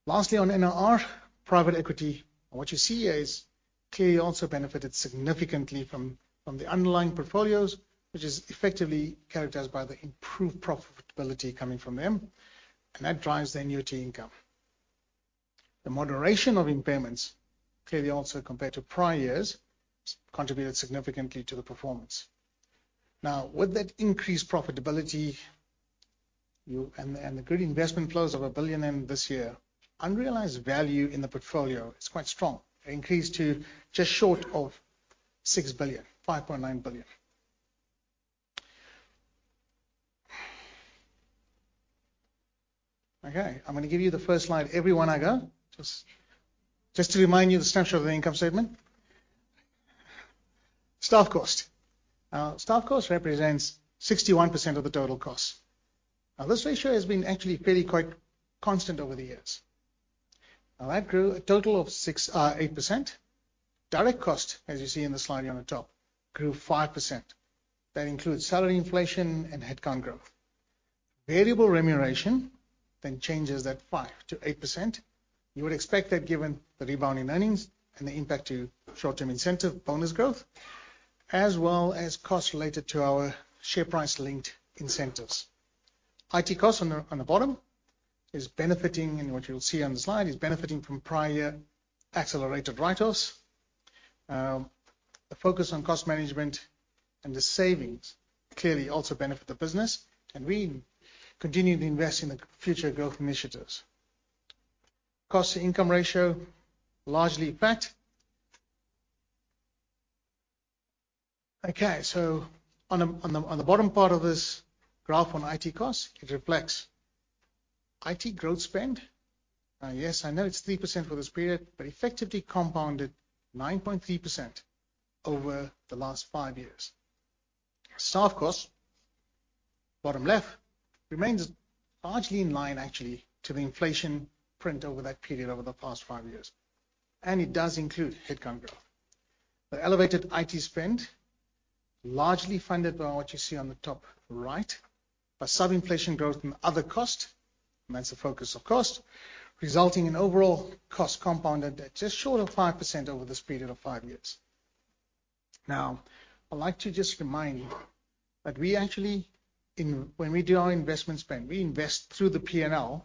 Lastly on NIR, private equity. What you see here is clearly also benefited significantly from the underlying portfolios, which is effectively characterized by the improved profitability coming from them, and that drives the annuity income. The moderation of impairments, clearly also compared to prior years, contributed significantly to the performance. Now with that increased profitability, you and the good investment flows of 1 billion in this year, unrealized value in the portfolio is quite strong. It increased to just short of 6 billion, 5.9 billion. Okay, I'm gonna give you the first slide every one I go. Just to remind you of the structure of the income statement. Staff cost. Our staff cost represents 61% of the total cost. This ratio has been actually fairly quite constant over the years. That grew a total of 6-8%. Direct cost, as you see in the slide here on the top, grew 5%. That includes salary inflation and headcount growth. Variable remuneration then changes that 5%-8%. You would expect that given the rebound in earnings and the impact to short-term incentive bonus growth, as well as costs related to our share price linked incentives. IT costs on the bottom is benefiting, and what you'll see on the slide, is benefiting from prior accelerated write-offs. The focus on cost management and the savings clearly also benefit the business, and we continue to invest in the future growth initiatives. Cost to income ratio, largely flat. Okay, so on the bottom part of this graph on IT costs, it reflects IT growth spend. Now, yes, I know it's 3% for this period, but effectively compounded 9.3% over the last five years. Staff costs, bottom left, remains largely in line actually to the inflation print over that period, the past five years. It does include headcount growth. The elevated IT spend largely funded by what you see on the top right, by sub-inflation growth and other costs, and that's the focus of cost, resulting in overall cost compounded at just short of 5% over this period of five years. Now, I'd like to just remind you that we actually when we do our investment spend, we invest through the P&L,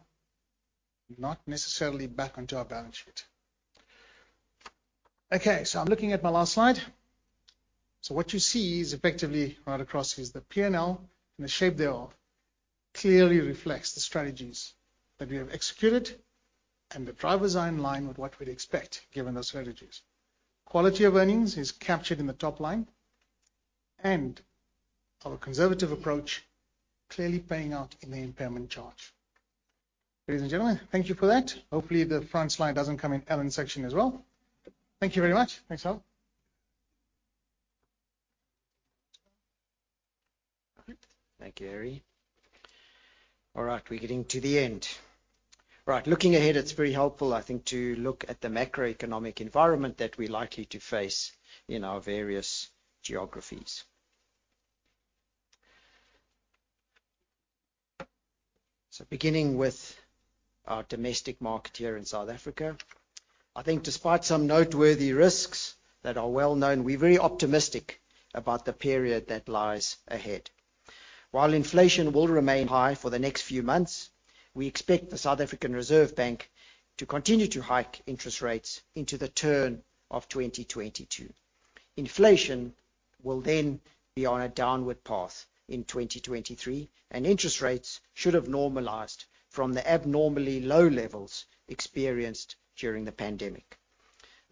not necessarily back onto our balance sheet. Okay, so I'm looking at my last slide. What you see is effectively right across is the P&L in the shape thereof clearly reflects the strategies that we have executed and the drivers are in line with what we'd expect given those strategies. Quality of earnings is captured in the top line, and our conservative approach clearly paying out in the impairment charge. Ladies and gentlemen, thank you for that. Hopefully, the front slide doesn't come in Alan's section as well. Thank you very much. Thanks, all. All right. Thank you, Harry. All right, we're getting to the end. Right. Looking ahead, it's very helpful, I think, to look at the macroeconomic environment that we're likely to face in our various geographies. Beginning with our domestic market here in South Africa, I think despite some noteworthy risks that are well known, we're very optimistic about the period that lies ahead. While inflation will remain high for the next few months, we expect the South African Reserve Bank to continue to hike interest rates into the turn of 2022. Inflation will then be on a downward path in 2023, and interest rates should have normalized from the abnormally low levels experienced during the pandemic.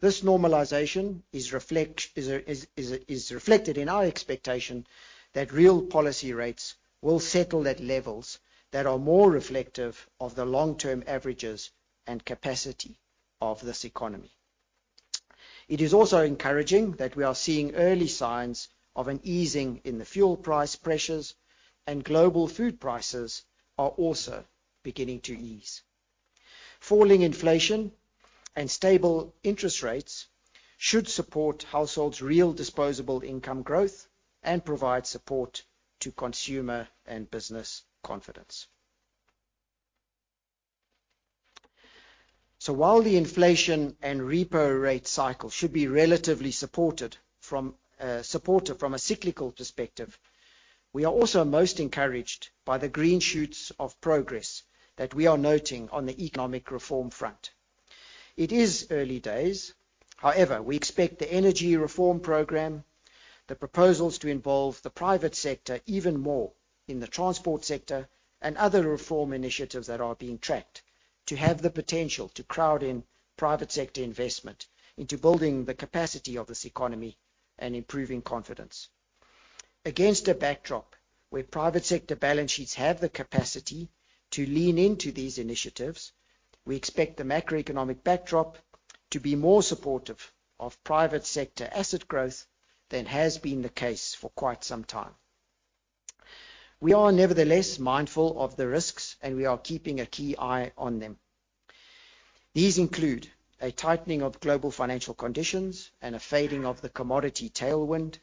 is reflected in our expectation that real policy rates will settle at levels that are more reflective of the long-term averages and capacity of this economy. It is also encouraging that we are seeing early signs of an easing in the fuel price pressures, and global food prices are also beginning to ease. Falling inflation and stable interest rates should support households' real disposable income growth and provide support to consumer and business confidence. While the inflation and repo rate cycle should be relatively supported from a cyclical perspective, we are also most encouraged by the green shoots of progress that we are noting on the economic reform front. It is early days. However, we expect the energy reform program, the proposals to involve the private sector even more in the transport sector and other reform initiatives that are being tracked to have the potential to crowd in private sector investment into building the capacity of this economy and improving confidence. Against a backdrop where private sector balance sheets have the capacity to lean into these initiatives, we expect the macroeconomic backdrop to be more supportive of private sector asset growth than has been the case for quite some time. We are nevertheless mindful of the risks, and we are keeping a keen eye on them. These include a tightening of global financial conditions and a fading of the commodity tailwind,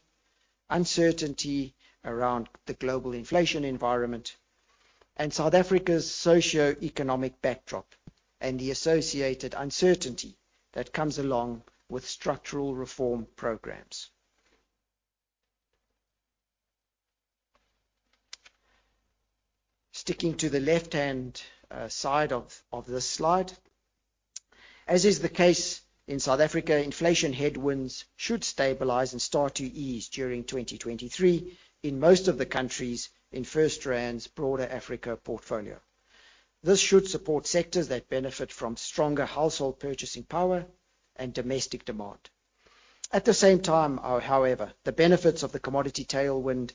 uncertainty around the global inflation environment, and South Africa's socioeconomic backdrop, and the associated uncertainty that comes along with structural reform programs. Sticking to the left-hand side of this slide, as is the case in South Africa, inflation headwinds should stabilize and start to ease during 2023 in most of the countries in FirstRand's broader Africa portfolio. This should support sectors that benefit from stronger household purchasing power and domestic demand. At the same time, however, the benefits of the commodity tailwind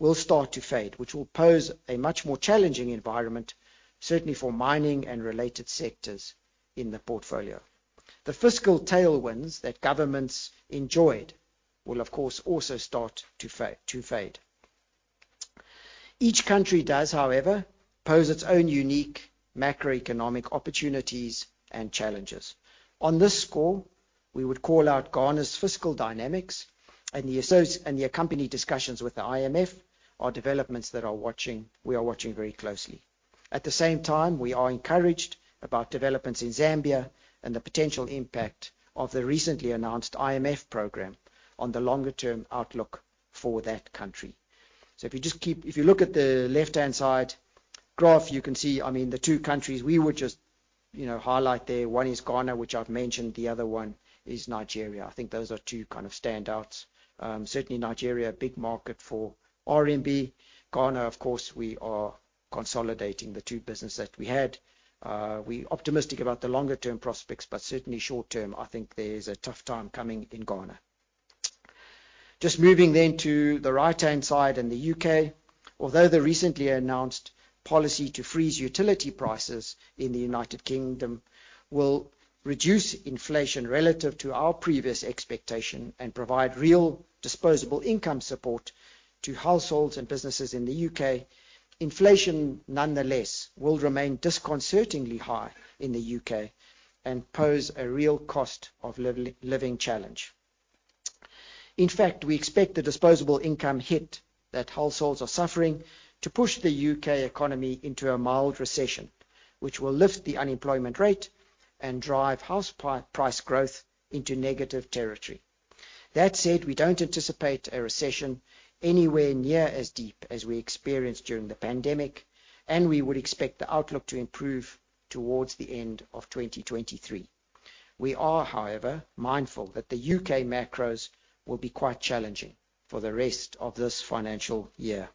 will start to fade, which will pose a much more challenging environment, certainly for mining and related sectors in the portfolio. The fiscal tailwinds that governments enjoyed will of course also start to fade. Each country does, however, pose its own unique macroeconomic opportunities and challenges. On this score, we would call out Ghana's fiscal dynamics and the accompanying discussions with the IMF are developments that we are watching very closely. At the same time, we are encouraged about developments in Zambia and the potential impact of the recently announced IMF program on the longer-term outlook for that country. If you look at the left-hand side graph, you can see, I mean, the two countries we would just, you know, highlight there, one is Ghana, which I've mentioned, the other one is Nigeria. I think those are two kind of standouts. Certainly Nigeria, big market for RMB. Ghana, of course, we are consolidating the two businesses that we had. We are optimistic about the longer-term prospects, but certainly short-term, I think there's a tough time coming in Ghana. Just moving then to the right-hand side and the U.K. Although the recently announced policy to freeze utility prices in the United Kingdom will reduce inflation relative to our previous expectation and provide real disposable income support to households and businesses in the U.K., inflation nonetheless will remain disconcertingly high in the U.K. and pose a real cost of living challenge. In fact, we expect the disposable income hit that households are suffering to push the U.K. economy into a mild recession, which will lift the unemployment rate and drive house price growth into negative territory. That said, we don't anticipate a recession anywhere near as deep as we experienced during the pandemic, and we would expect the outlook to improve towards the end of 2023. We are, however, mindful that the U.K. macros will be quite challenging for the rest of this financial year.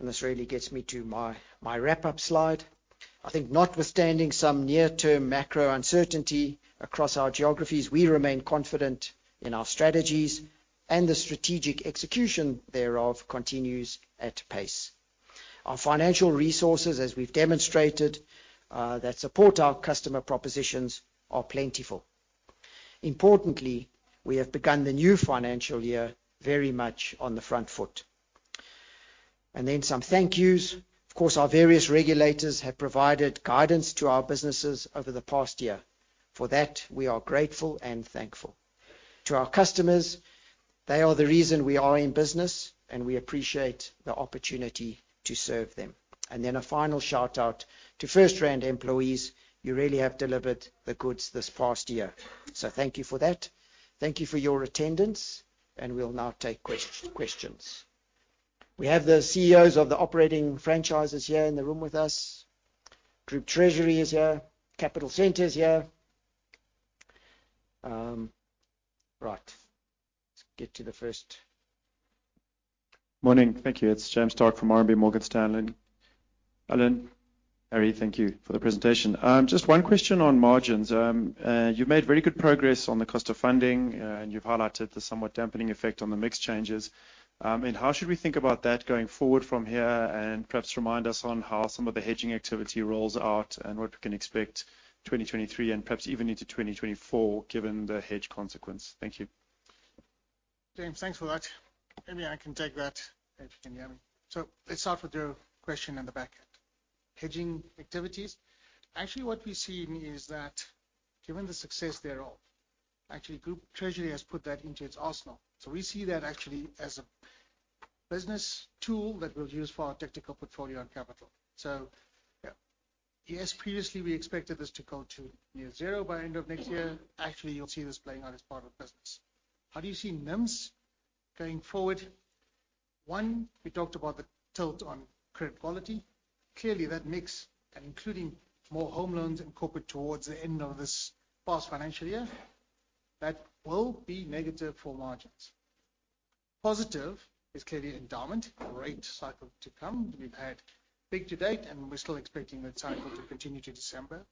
This really gets me to my wrap-up slide. I think notwithstanding some near-term macro uncertainty across our geographies, we remain confident in our strategies and the strategic execution thereof continues at pace. Our financial resources, as we've demonstrated, that support our customer propositions are plentiful. Importantly, we have begun the new financial year very much on the front foot. Then some thank yous. Of course, our various regulators have provided guidance to our businesses over the past year. For that, we are grateful and thankful. To our customers, they are the reason we are in business, and we appreciate the opportunity to serve them. Then a final shout-out to FirstRand employees, you really have delivered the goods this past year. Thank you for that. Thank you for your attendance, and we'll now take questions. We have the CEOs of the operating franchises here in the room with us. Group Treasury is here. Capital Centre is here. Right. Let's get to the first. Morning. Thank you. It's James Starke from RMB Morgan Stanley. Alan, Harry, thank you for the presentation. Just one question on margins. You've made very good progress on the cost of funding, and you've highlighted the somewhat dampening effect on the mix changes. How should we think about that going forward from here? Perhaps remind us on how some of the hedging activity rolls out and what we can expect 2023 and perhaps even into 2024, given the hedge consequence. Thank you. James, thanks for that. Emery, I can take that if you can hear me. Let's start with your question on the back end. Hedging activities. Actually, what we're seeing is that given the success thereof, actually Group Treasury has put that into its arsenal. We see that actually as a business tool that we'll use for our tactical portfolio and capital. Yeah. Yes, previously we expected this to go to year zero by end of next year. Actually, you'll see this playing out as part of the business. How do you see NIMs going forward? One, we talked about the tilt on credit quality. Clearly that mix, and including more home loans and corporate towards the end of this past financial year, that will be negative for margins. Positive is clearly endowment, great cycle to come. We've had big to date, and we're still expecting that cycle to continue to December.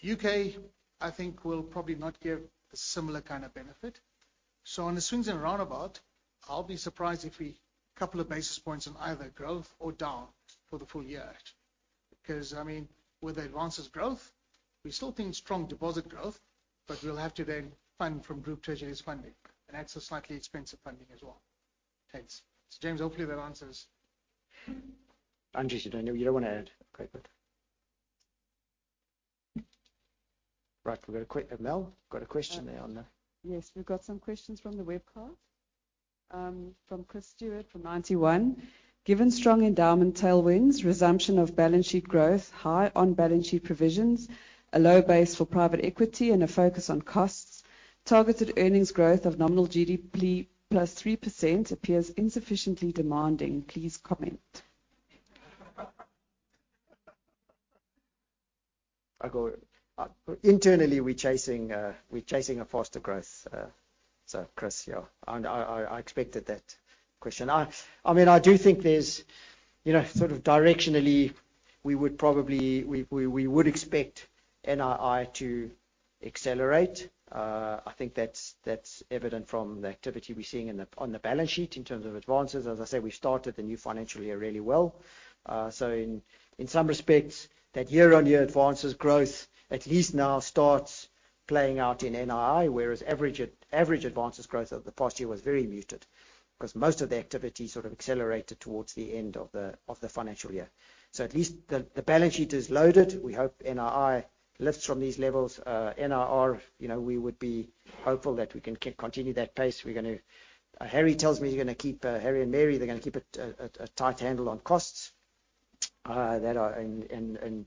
U.K., I think, will probably not give a similar kind of benefit. On the swings and roundabouts, I'll be surprised if we couple of basis points on either growth or down for the full year. Because, I mean, with advances growth, we still think strong deposit growth, but we'll have to then fund from Group Treasury's funding, and that's a slightly expensive funding as well. Thanks. James, hopefully that answers. Andrew, you don't wanna add? Okay. Right. Mel got a question there on the- Yes. We've got some questions from the webcast from Chris Stewart from Ninety One. Given strong endowment tailwinds, resumption of balance sheet growth, high on balance sheet provisions, a low base for private equity, and a focus on costs, targeted earnings growth of nominal GDP +3% appears insufficiently demanding. Please comment. I'll go. Internally, we're chasing a faster growth. Chris, yeah, I expected that question. I mean, I do think there's, you know, sort of directionally we would expect NII to accelerate. I think that's evident from the activity we're seeing on the balance sheet in terms of advances. As I say, we started the new financial year really well. In some respects, that year-on-year advances growth at least now starts playing out in NII, whereas average advances growth over the past year was very muted, 'cause most of the activity sort of accelerated towards the end of the financial year. At least the balance sheet is loaded. We hope NII lifts from these levels. NIR, you know, we would be hopeful that we can continue that pace. We're gonna Harry tells me you're gonna keep, Harry and Mary, they're gonna keep a tight handle on costs, and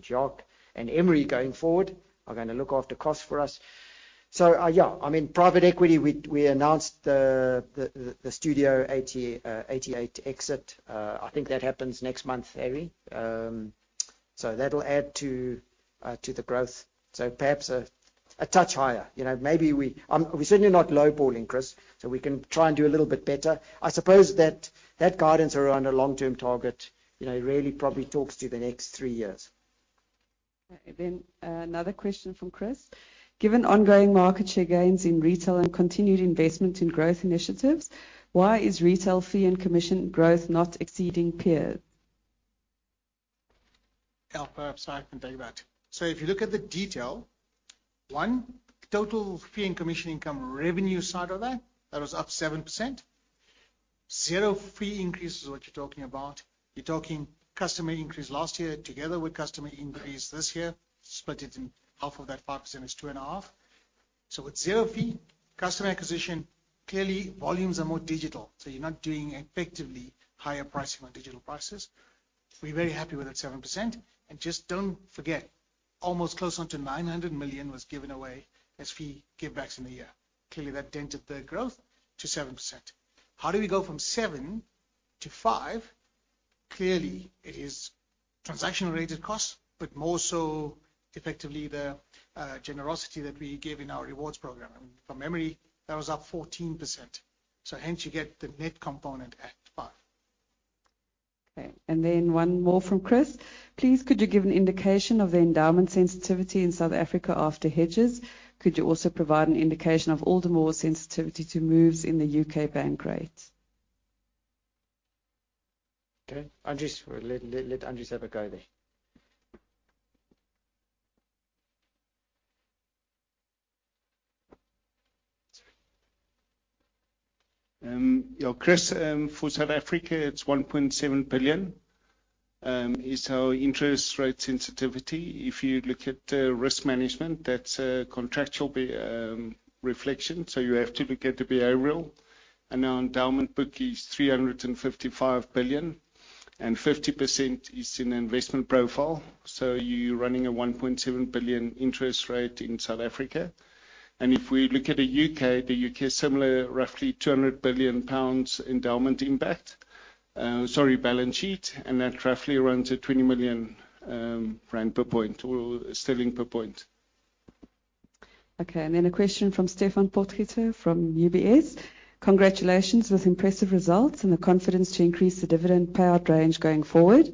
Jacques and Emery going forward are gonna look after costs for us. Yeah, I mean, private equity, we announced the Studio 88 exit. I think that happens next month, Harry. That'll add to the growth. Perhaps a touch higher. You know, maybe we're certainly not lowballing, Chris, so we can try and do a little bit better. I suppose that guidance around our long-term target, you know, really probably talks to the next three years. Okay. Another question from Chris. Given ongoing market share gains in retail and continued investment in growth initiatives, why is retail fee and commission growth not exceeding peers? Alan, perhaps I can take that. If you look at the detail, one, total fee and commission income revenue side of that was up 7%. Zero fee increase is what you're talking about. You're talking customer increase last year together with customer increase this year, split it in half of that 5% is 2.5. With zero fee, customer acquisition, clearly volumes are more digital, so you're not doing effectively higher pricing on digital prices. We're very happy with that 7%. Just don't forget, almost close on to 900 million was given away as fee give backs in the year. Clearly, that dented the growth to 7%. How do we go from 7%-5%? Clearly, it is transaction-related costs, but more so effectively the generosity that we give in our rewards program. From memory, that was up 14%. Hence you get the net component at 5%. Okay. One more from Chris: Please, could you give an indication of the endowment sensitivity in South Africa after hedges? Could you also provide an indication of Aldermore's sensitivity to moves in the U.K. bank rates? Okay. Andries, we'll let Andries have a go there. Yeah. Chris, for South Africa, it's 1.7 billion is our interest rate sensitivity. If you look at the risk management, that's a contractual reflection, so you have to look at the behavioral. Our endowment book is 355 billion, and 50% is in investment profile, so you're running a 1.7 billion interest rate in South Africa. If we look at the U.K., the U.K. Is similar, roughly 200 billion pounds endowment impact. Sorry, balance sheet, and that roughly runs at 20 million rand per point or sterling per point. Okay. A question from Stefan Potgieter from UBS. Congratulations with impressive results and the confidence to increase the dividend payout range going forward.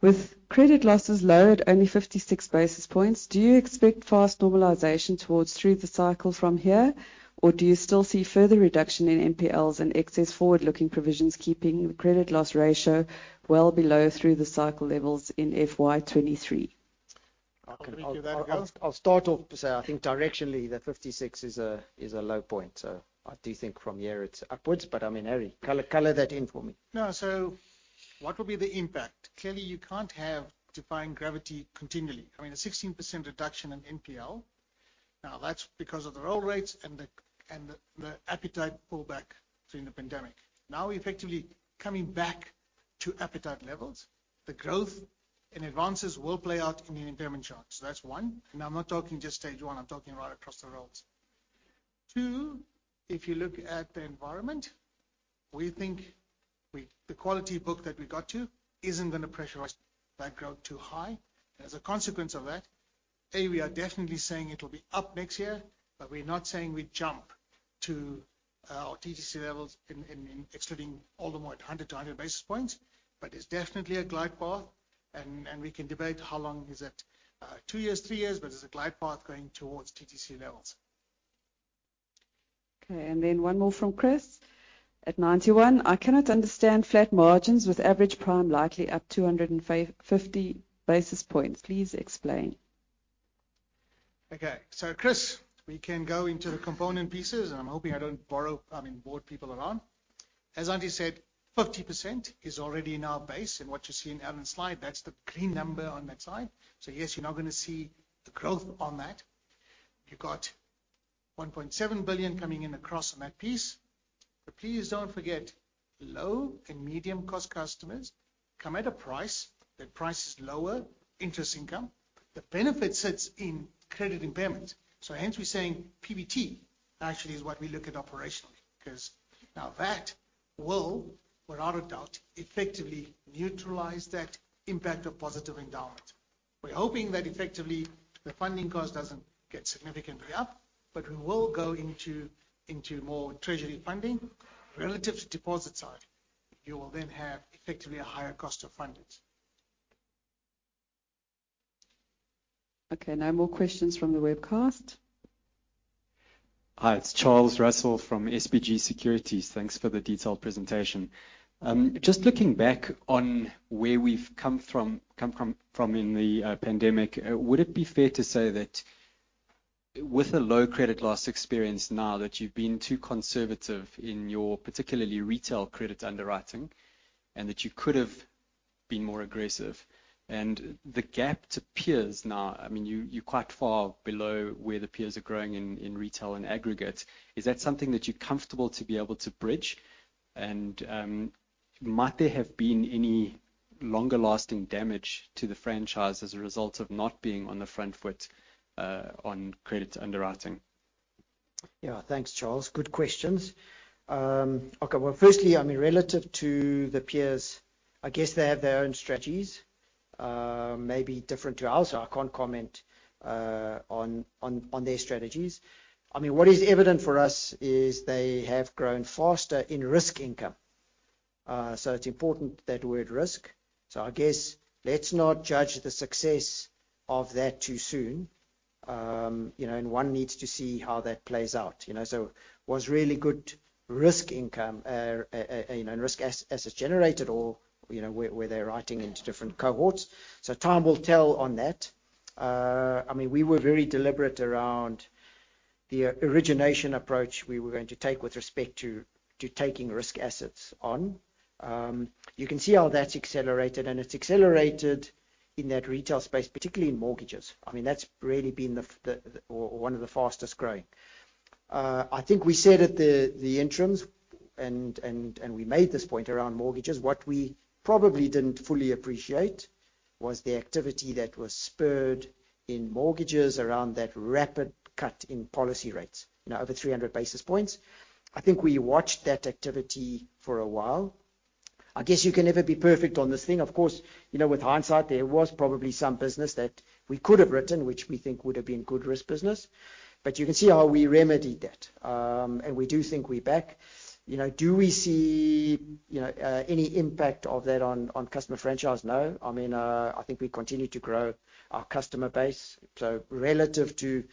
With credit losses low at only 56 basis points, do you expect fast normalization towards through the cycle from here, or do you still see further reduction in NPLs and excess forward-looking provisions keeping the credit loss ratio well below through the cycle levels in FY 2023? I'll start off to say I think directionally that 56 is a low point. I do think from here it's upwards, but I mean, Harry, color that in for me. No, what will be the impact? Clearly, you can't have defying gravity continually. I mean, a 16% reduction in NPL. Now, that's because of the roll rates and the appetite pullback during the pandemic. Now we effectively coming back to appetite levels. The growth in advances will play out in the impairment charge. So that's one. Now, I'm not talking just stage one, I'm talking right across the board. Two, if you look at the environment, we think the quality book that we got to isn't gonna pressurize that growth too high. As a consequence of that, we are definitely saying it'll be up next year, but we're not saying we jump to our TTC levels in excluding Aldermore at 100-100 basis points. It's definitely a glide path and we can debate how long is that, two years, three years, but it's a glide path going towards TTC levels. Okay. One more from Chris at Ninety One, I cannot understand flat margins with average prime likely up 250 basis points. Please explain. Okay, Chris, we can go into the component pieces, and I'm hoping I don't bore people around. As Andries said, 50% is already in our base. What you see in Alan's slide, that's the clean number on that slide. Yes, you're now gonna see the growth on that. You've got 1.7 billion coming in across on that piece. Please don't forget, low and medium cost customers come at a price. That price is lower interest income. The benefit sits in credit impairment. Hence we're saying PBT actually is what we look at operationally. 'Cause now that will, without a doubt, effectively neutralize that impact of positive endowment. We're hoping that effectively the funding cost doesn't get significantly up, but we will go into more treasury funding. Relative to deposit side, you will then have effectively a higher cost of funding. Okay, no more questions from the webcast. Hi, it's Charles Russell from SBG Securities. Thanks for the detailed presentation. Just looking back on where we've come from in the pandemic, would it be fair to say that with the low credit loss experience now that you've been too conservative in your particularly retail credit underwriting, and that you could have been more aggressive? The gap to peers now, I mean, you're quite far below where the peers are growing in retail and aggregate. Is that something that you're comfortable to be able to bridge? Might there have been any longer lasting damage to the franchise as a result of not being on the front foot on credit underwriting? Yeah. Thanks, Charles. Good questions. Okay. Well, firstly, I mean, relative to the peers, I guess they have their own strategies. Maybe different to ours, so I can't comment on their strategies. I mean, what is evident for us is they have grown faster in risk income. So it's important that word risk. So I guess let's not judge the success. Of that too soon, you know, and one needs to see how that plays out, you know. Was really good risk income, you know, and risk as it's generated or, you know, where they're writing into different cohorts. Time will tell on that. I mean, we were very deliberate around the origination approach we were going to take with respect to taking risk assets on. You can see how that's accelerated, and it's accelerated in that retail space, particularly in mortgages. I mean, that's really been the, or one of the fastest-growing. I think we said at the interims and we made this point around mortgages. What we probably didn't fully appreciate was the activity that was spurred in mortgages around that rapid cut in policy rates, you know, over 300 basis points. I think we watched that activity for a while. I guess you can never be perfect on this thing. Of course, you know, with hindsight, there was probably some business that we could have written, which we think would have been good risk business. But you can see how we remedied that. And we do think we're back. You know, do we see, you know, any impact of that on customer franchise? No. I mean, I think we continue to grow our customer base. So relative to,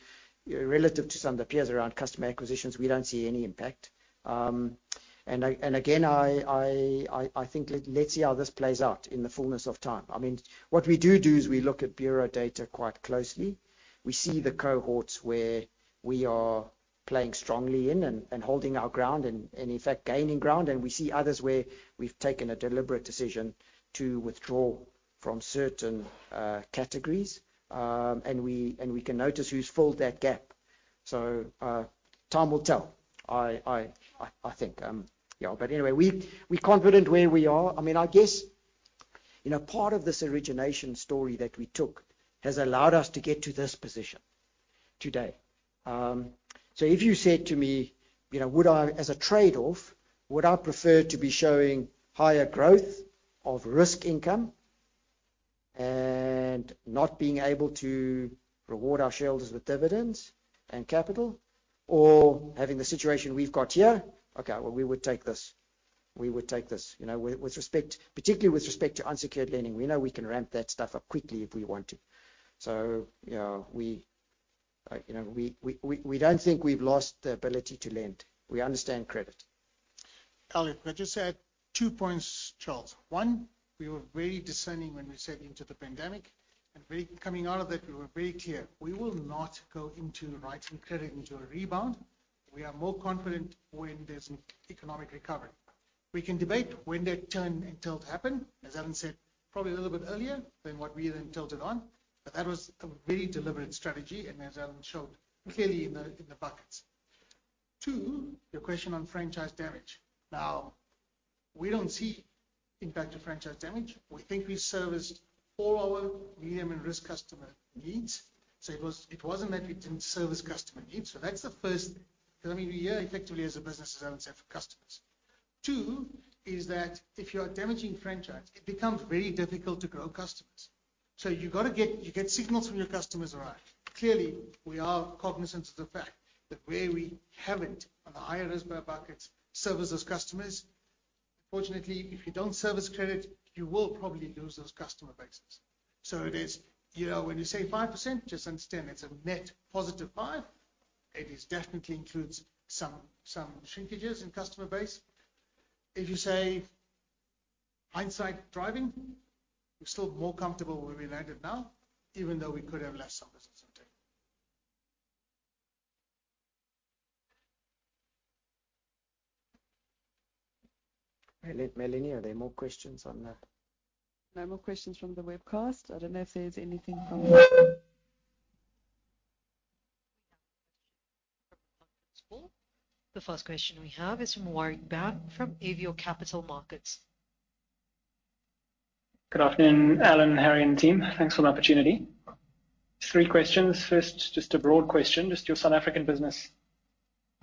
you know, relative to some of the peers around customer acquisitions, we don't see any impact. And again, I think let's see how this plays out in the fullness of time. I mean, what we do is we look at bureau data quite closely. We see the cohorts where we are playing strongly in and holding our ground and in fact gaining ground. We see others where we've taken a deliberate decision to withdraw from certain categories. We can notice who's filled that gap. Time will tell. I think. Yeah, but anyway, we're confident where we are. I mean, I guess, you know, part of this origination story that we took has allowed us to get to this position today. If you said to me, you know, would I, as a trade-off, prefer to be showing higher growth of risk income and not being able to reward our shareholders with dividends and capital, or having the situation we've got here? Okay, well, we would take this. We would take this. You know, with respect, particularly with respect to unsecured lending. We know we can ramp that stuff up quickly if we want to. You know, we don't think we've lost the ability to lend. We understand credit. Alan, can I just add two points, Charles. One, we were very discerning when we went into the pandemic, and very clear coming out of that. We will not go into writing credit into a rebound. We are more confident when there's an economic recovery. We can debate when that turn and tilt happened. As Alan said, probably a little bit earlier than what we then tilted on. That was a very deliberate strategy, and as Alan showed clearly in the buckets. Two, your question on franchise damage. Now, we don't see impact to franchise damage. We think we serviced all our medium- and high-risk customer needs. It wasn't that we didn't service customer needs. That's the first thing. Because I mean, we're here effectively as a business, as Alan said, for customers. Two is that if you are damaging franchise, it becomes very difficult to grow customers. You've got to get. You get signals from your customers, right? Clearly, we are cognizant of the fact that where we haven't on the higher risk by our buckets serviced those customers. Unfortunately, if you don't service credit, you will probably lose those customer bases. It is, you know, when you say 5%, just understand it's a net +5. It is definitely includes some shrinkages in customer base. In hindsight, we're still more comfortable where we landed now, even though we could have less customers at some time. Melanie, are there more questions? No more questions from the webcast. I don't know if there's anything from. The first question we have is from Warrick Baum from Absa Capital Markets. Good afternoon, Alan, Harry, and team. Thanks for the opportunity. Three questions. First, just a broad question. Just your South African business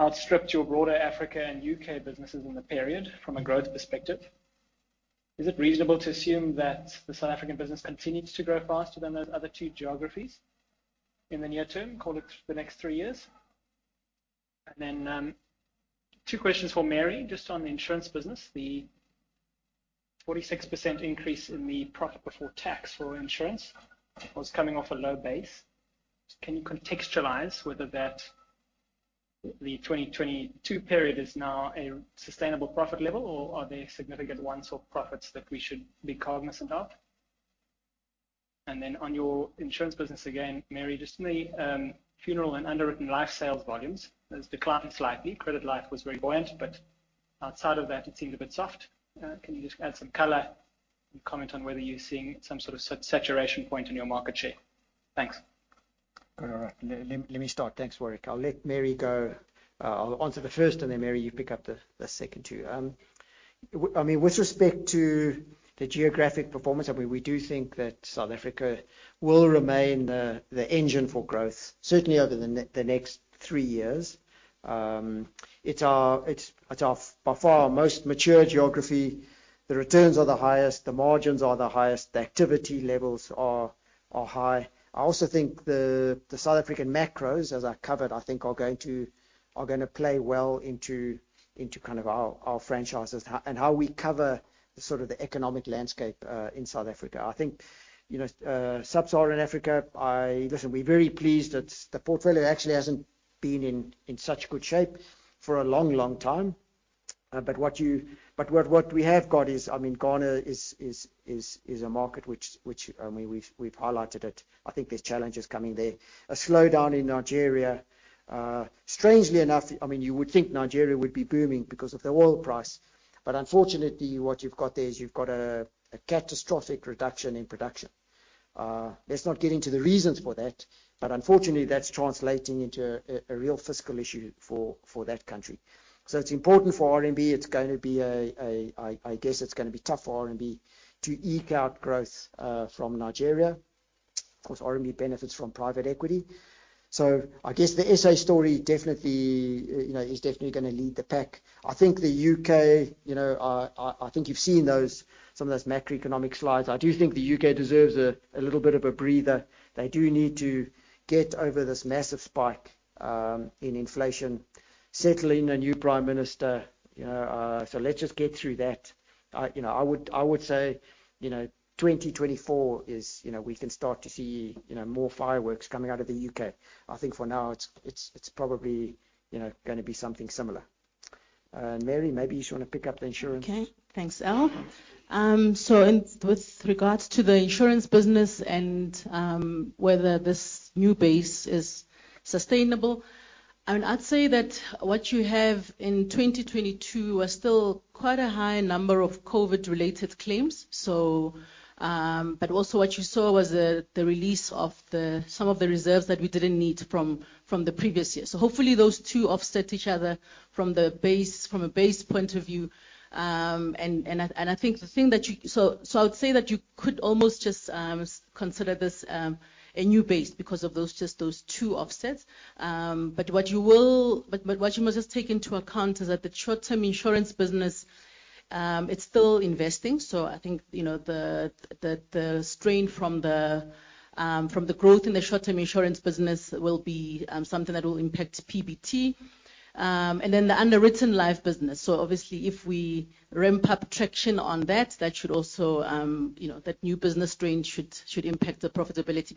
outstripped your broader Africa and U.K. Businesses in the period from a growth perspective. Is it reasonable to assume that the South African business continues to grow faster than those other two geographies in the near term, call it the next three years? Then, two questions for Mary. Just on the insurance business, the 46% increase in the profit before tax for insurance was coming off a low base. Can you contextualize whether that, the 2022 period is now a sustainable profit level or are there significant one-off profits that we should be cognizant of? Then on your insurance business, again, Mary, just the funeral and underwritten life sales volumes has declined slightly. Credit life was very buoyant, but outside of that, it seemed a bit soft. Can you just add some color and comment on whether you're seeing some sort of saturation point in your market share? Thanks. All right. Let me start. Thanks, Warrick. I'll let Mary go. I'll answer the first, and then Mary, you pick up the second two. I mean, with respect to the geographic performance, I mean, we do think that South Africa will remain the engine for growth, certainly over the next three years. It's by far our most mature geography. The returns are the highest, the margins are the highest, the activity levels are high. I also think the South African macros, as I covered, I think are going to play well into kind of our franchises how we cover the sort of the economic landscape in South Africa. I think, you know, Sub-Saharan Africa. Listen, we're very pleased that the portfolio actually hasn't been in such good shape for a long time. What we have got is, I mean, Ghana is a market which, I mean, we've highlighted it. I think there's challenges coming there. A slowdown in Nigeria. Strangely enough, I mean, you would think Nigeria would be booming because of the oil price. Unfortunately, what you've got there is you've got a catastrophic reduction in production. Let's not get into the reasons for that, but unfortunately, that's translating into a real fiscal issue for that country. It's important for RMB. It's gonna be tough for RMB to eke out growth from Nigeria. Of course, RMB benefits from private equity. I guess the S.A. story definitely, you know, is gonna lead the pack. I think the U.K., you know, I think you've seen some of those macroeconomic slides. I do think the U.K. deserves a little bit of a breather. They do need to get over this massive spike in inflation. Settle in a new prime minister, you know, so let's just get through that. I, you know, I would say, you know, 2024 is, you know, we can start to see, you know, more fireworks coming out of the U.K. I think for now it's probably, you know, gonna be something similar. Mary, maybe you just wanna pick up the insurance. Okay. Thanks, Alan. With regards to the insurance business and whether this new base is sustainable, I mean, I'd say that what you have in 2022 are still quite a high number of COVID-related claims. Also what you saw was the release of some of the reserves that we didn't need from the previous year. Hopefully those two offset each other from a base point of view. I would say that you could almost just consider this a new base because of those two offsets. What you must just take into account is that the short-term insurance business, it's still investing. I think, you know, the strain from the growth in the short-term insurance business will be something that will impact PBT. The underwritten life business. Obviously if we ramp up traction on that should also, you know, that new business strain should impact the profitability.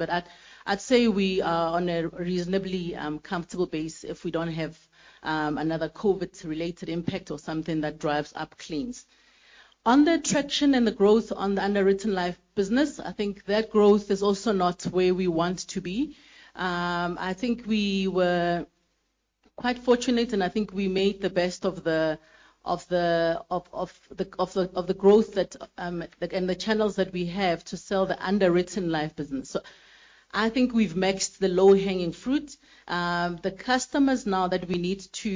I’d say we are on a reasonably comfortable base if we don't have another COVID-related impact or something that drives up claims. On the traction and the growth on the underwritten life business, I think that growth is also not where we want to be. I think we were quite fortunate, and I think we made the best of the growth that, like, and the channels that we have to sell the underwritten life business. I think we've maxed the low-hanging fruit. The customers now that we need to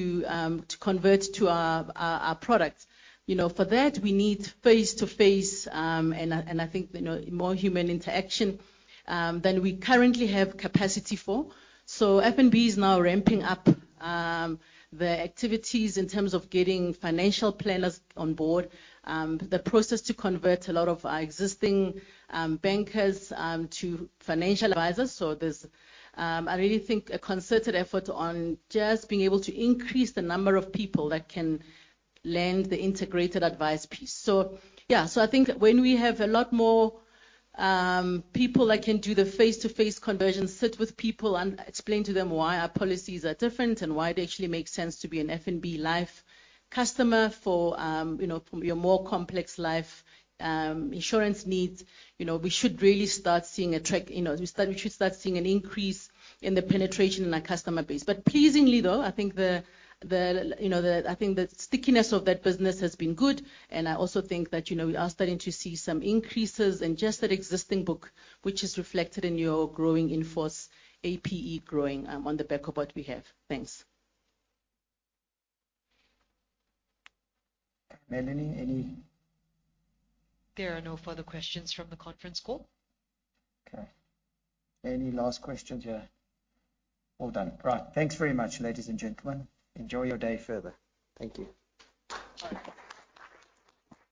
convert to our product, you know, for that we need face-to-face, and I think, you know, more human interaction than we currently have capacity for. FNB is now ramping up the activities in terms of getting financial planners on board, the process to convert a lot of our existing bankers to financial advisors. I really think a concerted effort on just being able to increase the number of people that can lend the integrated advice piece. Yeah. I think when we have a lot more people that can do the face-to-face conversion, sit with people and explain to them why our policies are different and why it actually makes sense to be an FNB Life customer for, you know, your more complex life insurance needs, you know, we should really start seeing traction, you know, we should start seeing an increase in the penetration in our customer base. Pleasingly though, I think the, you know, the stickiness of that business has been good. I also think that, you know, we are starting to see some increases in just that existing book, which is reflected in your growing in-force APE on the back of what we have. Thanks. Melanie, there are no further questions from the conference call. Okay. Any last questions here? All done. Right. Thanks very much, ladies and gentlemen. Enjoy your day further. Thank you.